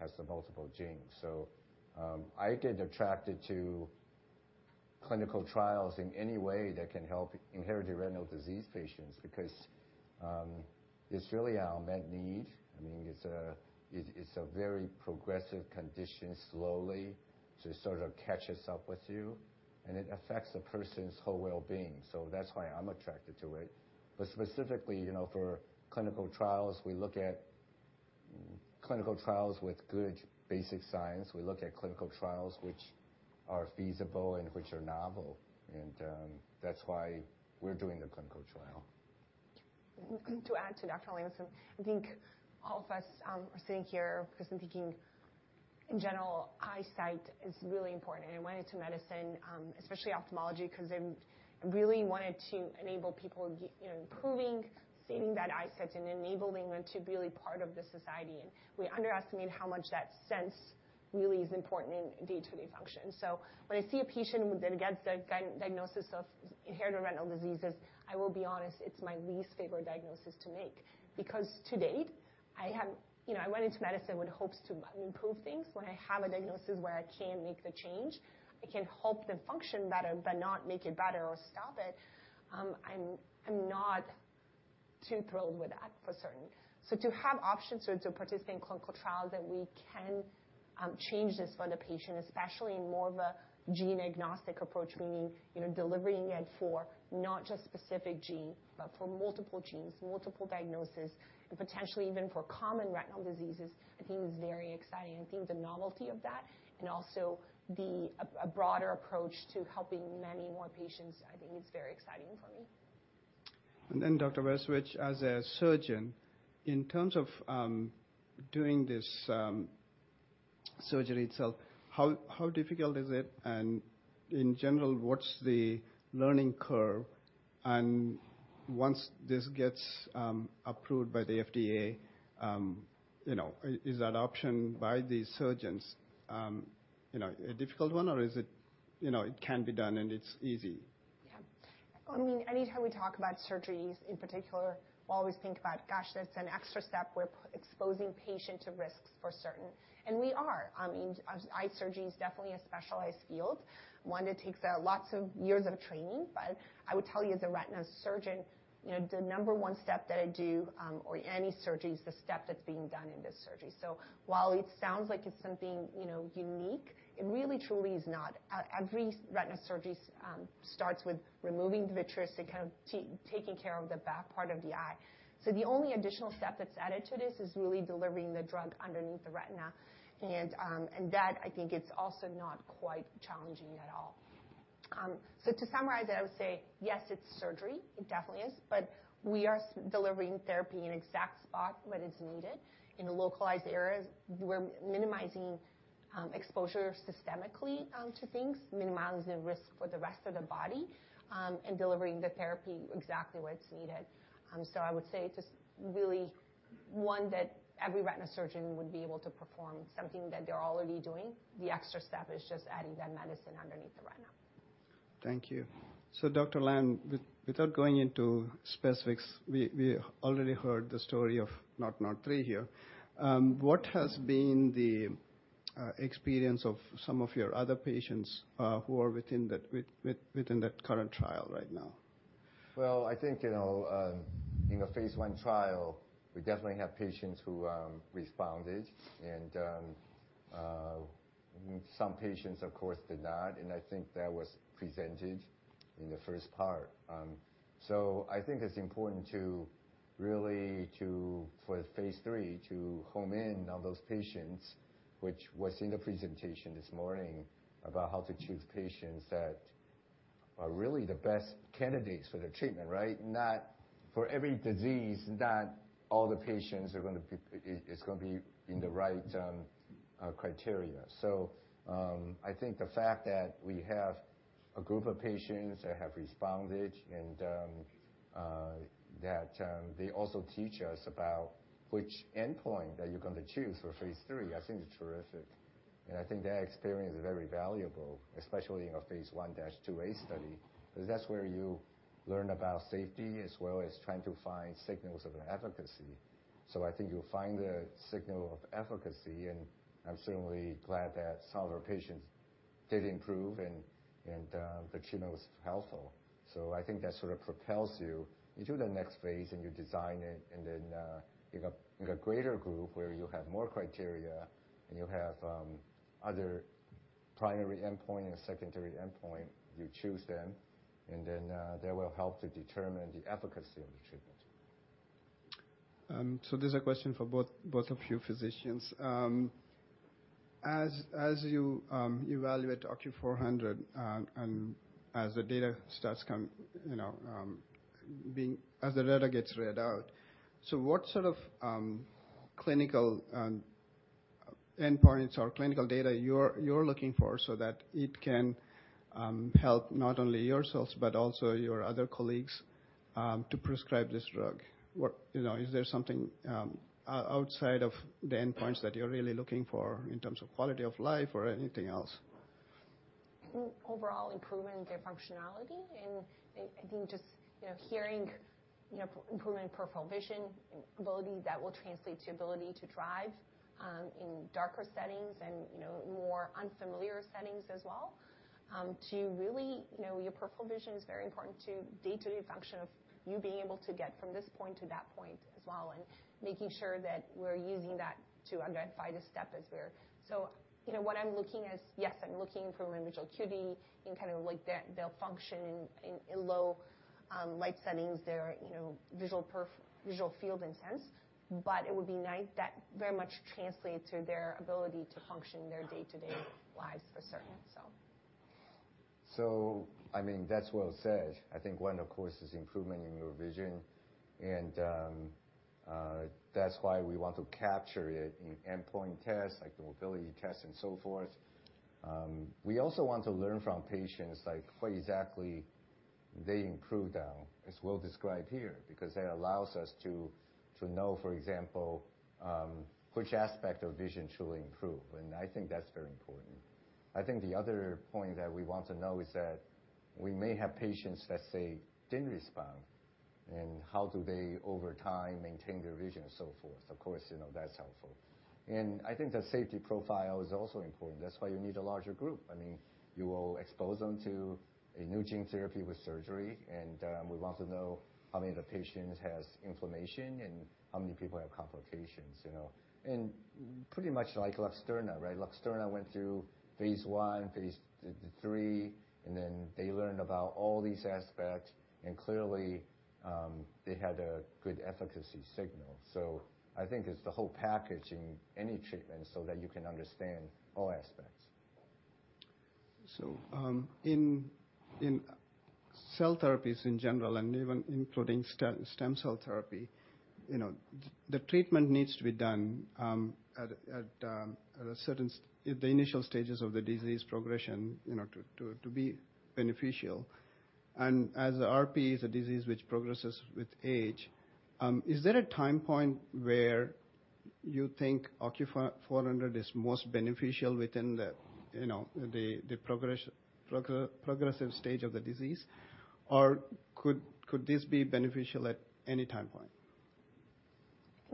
has the multiple genes. So, I get attracted to clinical trials in any way that can help inherited retinal disease patients because, it's really our unmet need. I mean, it's a very progressive condition, slowly it sort of catches up with you, and it affects a person's whole well-being. So that's why I'm attracted to it. But specifically, you know, for clinical trials, we look at clinical trials with good basic science. We look at clinical trials which are feasible and which are novel, and, that's why we're doing the clinical trial. To add to Dr. Lam, so I think all of us sitting here, because I'm thinking in general, eyesight is really important. I went into medicine, especially ophthalmology, 'cause I really wanted to enable people, you know, improving, saving that eyesight and enabling them to be really part of the society. And we underestimate how much that sense really is important in day-to-day function. So when I see a patient that gets the diagnosis of inherited retinal diseases, I will be honest, it's my least favorite diagnosis to make, because to date, I have... You know, I went into medicine with hopes to improve things. When I have a diagnosis where I can't make the change, I can help them function better, but not make it better or stop it, I'm not too thrilled with that, for certain. So to have options or to participate in clinical trials, that we can change this for the patient, especially in more of a gene-agnostic approach, meaning, you know, delivering it for not just specific gene, but for multiple genes, multiple diagnosis, and potentially even for common retinal diseases, I think is very exciting. I think the novelty of that, and also the broader approach to helping many more patients, I think it's very exciting for me. And then, Dr. Rasovic, as a surgeon, in terms of doing this surgery itself, how difficult is it? And in general, what's the learning curve? And once this gets approved by the FDA, you know, is that option by the surgeons, you know, a difficult one, or is it, you know, it can be done and it's easy? Yeah. I mean, anytime we talk about surgeries, in particular, we always think about, gosh, that's an extra step. We're exposing patients to risks for certain, and we are. I mean, eye surgery is definitely a specialized field, one that takes lots of years of training. But I would tell you, as a retina surgeon, you know, the number one step that I do, or any surgery is the step that's being done in this surgery. So while it sounds like it's something, you know, unique, it really truly is not. Every retina surgery starts with removing the vitreous and kind of taking care of the back part of the eye. So the only additional step that's added to this is really delivering the drug underneath the retina, and, and that, I think, is also not quite challenging at all. So to summarize it, I would say, yes, it's surgery. It definitely is, but we are delivering therapy in exact spot when it's needed. In the localized areas, we're minimizing exposure systemically to things, minimizing risk for the rest of the body, and delivering the therapy exactly where it's needed. So I would say it's just really one that every retina surgeon would be able to perform, something that they're already doing. The extra step is just adding that medicine underneath the retina. Thank you. So, Dr. Lam, without going into specifics, we already heard the story of naught, naught three here. What has been the experience of some of your other patients, who are within that current trial right now?... Well, I think, you know, in the phase one trial, we definitely have patients who responded, and some patients, of course, did not, and I think that was presented in the first part. So I think it's important to really, for phase three, to home in on those patients, which was in the presentation this morning, about how to choose patients that are really the best candidates for the treatment, right? Not for every disease, not all the patients are gonna, it's gonna be in the right criteria. So, I think the fact that we have a group of patients that have responded and that they also teach us about which endpoint that you're gonna choose for phase three, I think is terrific. I think that experience is very valuable, especially in a phase I-IIa study, 'cause that's where you learn about safety as well as trying to find signals of efficacy. So I think you'll find the signal of efficacy, and I'm certainly glad that some of our patients did improve and the treatment was helpful. So I think that sort of propels you into the next phase, and you design it, and then you got a greater group where you have more criteria, and you have other primary endpoint and secondary endpoint. You choose them, and then they will help to determine the efficacy of the treatment. So this is a question for both of you physicians. As you evaluate OCU400, and as the data starts come, you know, as the data gets read out, so what sort of clinical endpoints or clinical data you're looking for so that it can help not only yourselves but also your other colleagues to prescribe this drug? You know, is there something outside of the endpoints that you're really looking for in terms of quality of life or anything else? Overall improvement in their functionality, and I think just, you know, hearing, you know, improvement in peripheral vision ability, that will translate to ability to drive in darker settings and, you know, more unfamiliar settings as well. To really, you know, your peripheral vision is very important to day-to-day function of you being able to get from this point to that point as well, and making sure that we're using that to identify the step as we're... So, you know, what I'm looking is, yes, I'm looking for individual acuity and kind of like the function in low light settings, their, you know, visual field in sense. But it would be nice, that very much translate to their ability to function in their day-to-day lives for certain, so. So, I mean, that's well said. I think one, of course, is improvement in your vision, and that's why we want to capture it in endpoint tests, like the mobility test and so forth. We also want to learn from patients, like, what exactly they improve down, as well described here, because that allows us to know, for example, which aspect of vision truly improve, and I think that's very important. I think the other point that we want to know is that we may have patients that, say, didn't respond, and how do they, over time, maintain their vision and so forth. Of course, you know, that's helpful. And I think the safety profile is also important. That's why you need a larger group. I mean, you will expose them to a new gene therapy with surgery, and, we want to know how many of the patients has inflammation and how many people have complications, you know? And pretty much like Luxturna, right? Luxturna went through phase 1, phase 3, and then they learned about all these aspects, and clearly, they had a good efficacy signal. So I think it's the whole package in any treatment so that you can understand all aspects. So, in cell therapies in general and even including stem cell therapy, you know, the treatment needs to be done at the initial stages of the disease progression, you know, to be beneficial. As RP is a disease which progresses with age, is there a time point where you think OCU400 is most beneficial within the, you know, the progressive stage of the disease, or could this be beneficial at any time point?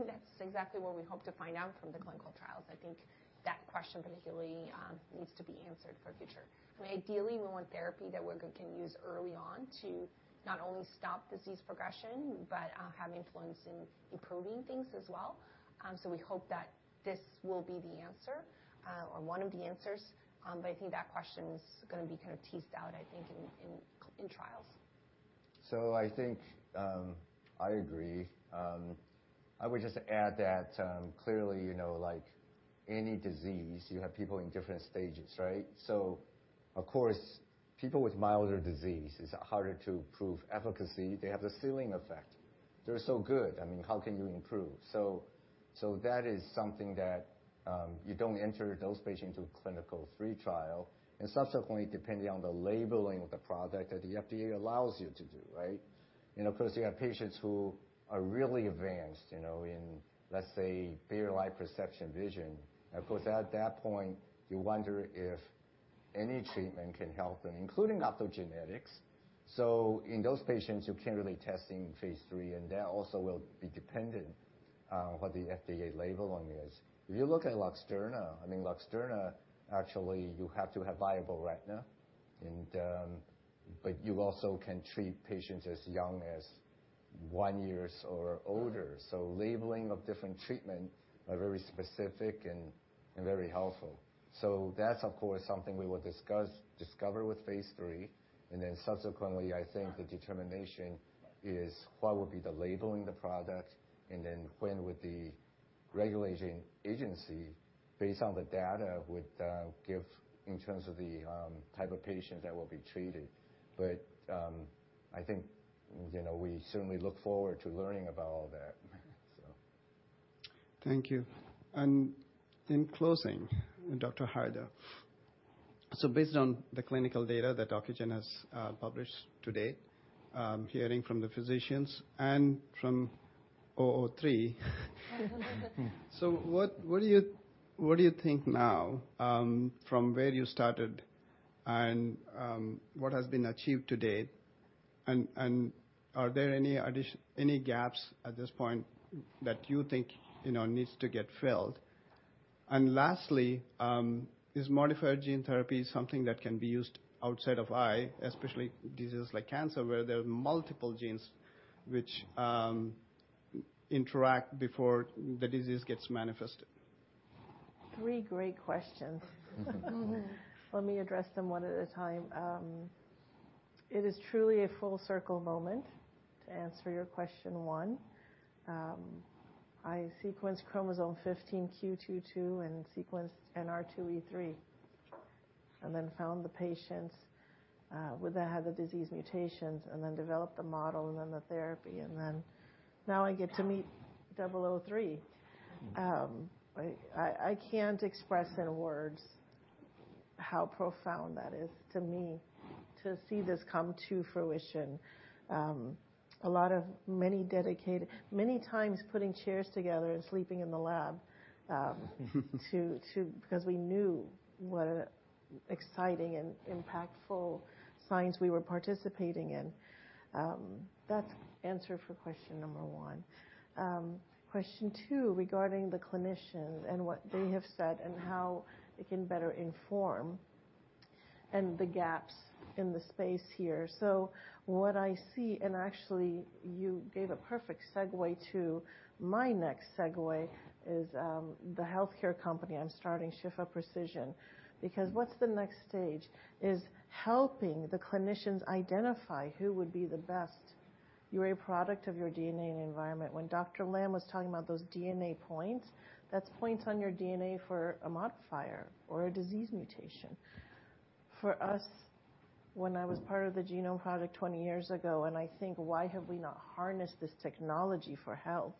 I think that's exactly what we hope to find out from the clinical trials. I think that question particularly needs to be answered for future. I mean, ideally, we want therapy that we can use early on to not only stop disease progression, but have influence in improving things as well. So we hope that this will be the answer, or one of the answers. But I think that question is gonna be kind of teased out, I think, in trials. So I think, I agree. I would just add that, clearly, you know, like any disease, you have people in different stages, right? So of course, people with milder disease, it's harder to prove efficacy. They have a ceiling effect. They're so good. I mean, how can you improve? So that is something that you don't enter those patients into a clinical trial, and subsequently, depending on the labeling of the product, that the FDA allows you to do, right? You know, 'cause you have patients who are really advanced, you know, in, let's say, their peripheral vision. Of course, at that point, you wonder if any treatment can help them, including optogenetics. So in those patients, you can't really test in phase 3, and that also will be dependent-... what the FDA labeling is. If you look at Luxturna, I mean, Luxturna, actually, you have to have viable retina, and, but you also can treat patients as young as 1 years or older. So labeling of different treatment are very specific and, and very helpful. So that's, of course, something we will discover with phase 3, and then subsequently, I think the determination is what would be the labeling the product, and then when would the regulating agency, based on the data, would give in terms of the type of patients that will be treated. But, I think, you know, we certainly look forward to learning about all that, so. Thank you. And in closing, Dr. Haider, so based on the clinical data that Ocugen has published today, hearing from the physicians and from 003, so what do you think now, from where you started and, what has been achieved to date? And, are there any gaps at this point that you think you know needs to get filled? And lastly, is modifier gene therapy something that can be used outside of eye, especially diseases like cancer, where there are multiple genes which interact before the disease gets manifested? Three great questions. Let me address them one at a time. It is truly a full circle moment, to answer your question one. I sequenced chromosome 15 q22 and sequenced NR2E3, and then found the patients that had the disease mutations, and then developed the model and then the therapy, and then now I get to meet double O three. I can't express in words how profound that is to me to see this come to fruition. Many times, putting chairs together and sleeping in the lab, because we knew what an exciting and impactful science we were participating in. That's answer for question number one. Question two, regarding the clinicians and what they have said and how it can better inform, and the gaps in the space here. So what I see, and actually, you gave a perfect segue to my next segue, is, the healthcare company. I'm starting Shifa Precision, because what's the next stage? Is helping the clinicians identify who would be the best. You're a product of your DNA and environment. When Dr. Lam was talking about those DNA points, that's points on your DNA for a modifier or a disease mutation. For us, when I was part of the genome project 20 years ago, and I think, "Why have we not harnessed this technology for health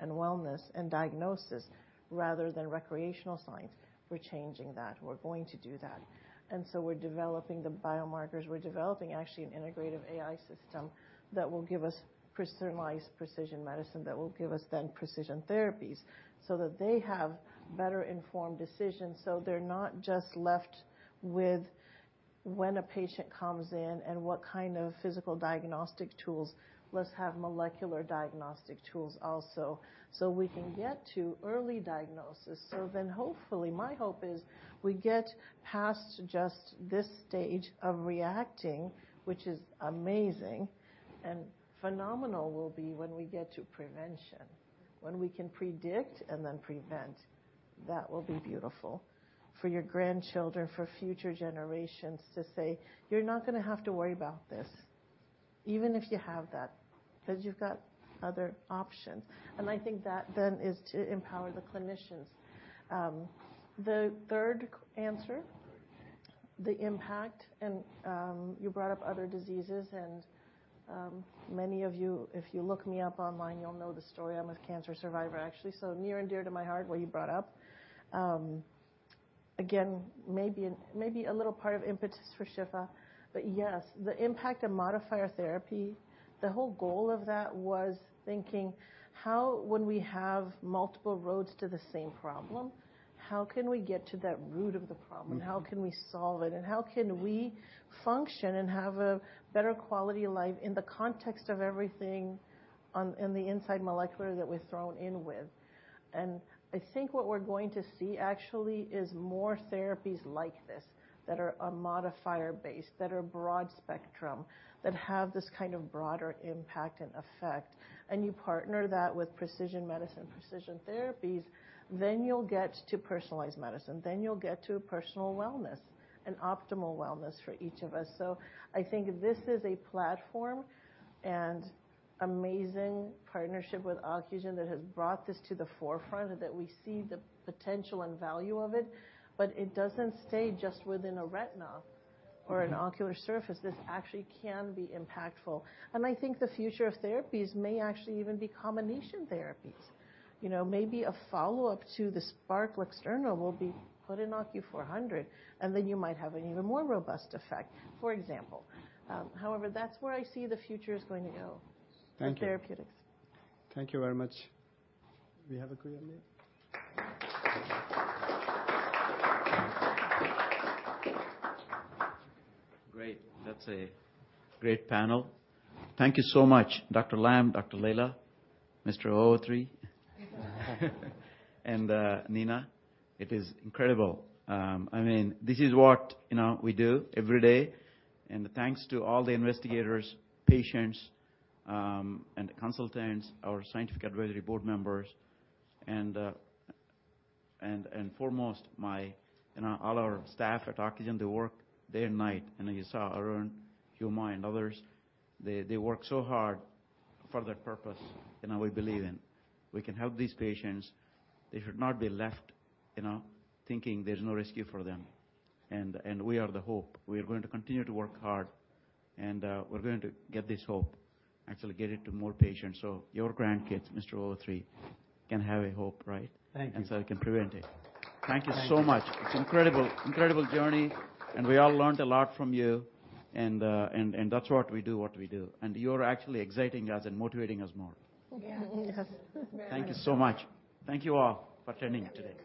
and wellness and diagnosis rather than recreational science?" We're changing that. We're going to do that. And so we're developing the biomarkers. We're developing, actually, an integrative AI system that will give us personalized precision medicine, that will give us then precision therapies, so that they have better informed decisions, so they're not just left with when a patient comes in and what kind of physical diagnostic tools. Let's have molecular diagnostic tools also, so we can get to early diagnosis. So then, hopefully, my hope is we get past just this stage of reacting, which is amazing, and phenomenal will be when we get to prevention. When we can predict and then prevent, that will be beautiful for your grandchildren, for future generations to say, "You're not gonna have to worry about this, even if you have that, because you've got other options." And I think that then is to empower the clinicians. The third answer, the impact, you brought up other diseases and, many of you, if you look me up online, you'll know the story. I'm a cancer survivor, actually, so near and dear to my heart, what you brought up. Again, maybe a, maybe a little part of impetus for Shifa, but yes, the impact of modifier therapy, the whole goal of that was thinking: How, when we have multiple roads to the same problem, how can we get to that root of the problem? Mm-hmm. How can we solve it, and how can we function and have a better quality of life in the context of everything on, in the inside molecular that we're thrown in with? I think what we're going to see, actually, is more therapies like this that are a modifier base, that are broad spectrum, that have this kind of broader impact and effect. You partner that with precision medicine, precision therapies, then you'll get to personalized medicine, then you'll get to personal wellness and optimal wellness for each of us. I think this is a platform and amazing partnership with Ocugen that has brought this to the forefront, and that we see the potential and value of it, but it doesn't stay just within a retina- Mm-hmm. or an ocular surface. This actually can be impactful. I think the future of therapies may actually even be combination therapies. You know, maybe a follow-up to the Spark Luxturna will be put in OCU400, and then you might have an even more robust effect, for example. However, that's where I see the future is going to go- Thank you. -in therapeutics. Thank you very much. We have a clear lead? Great. That's a great panel. Thank you so much, Dr. Lam, Dr. Lejla, Mr. 003. And, Neena. It is incredible. I mean, this is what, you know, we do every day, and thanks to all the investigators, patients, and the consultants, our scientific advisory board members, and foremost, my... You know, all our staff at Ocugen, they work day and night, and you saw Arun, Huma, and others. They work so hard for that purpose, and we believe in. We can help these patients. They should not be left, you know, thinking there's no rescue for them. And we are the hope. We are going to continue to work hard, and we're going to get this hope, actually get it to more patients. So your grandkids, Mr. 003, can have a hope, right? Thank you. And so they can prevent it. Thank you so much. It's incredible, incredible journey, and we all learned a lot from you, and that's what we do, what we do. And you're actually exciting us and motivating us more. Yeah. Yes. Thank you so much. Thank you all for attending today.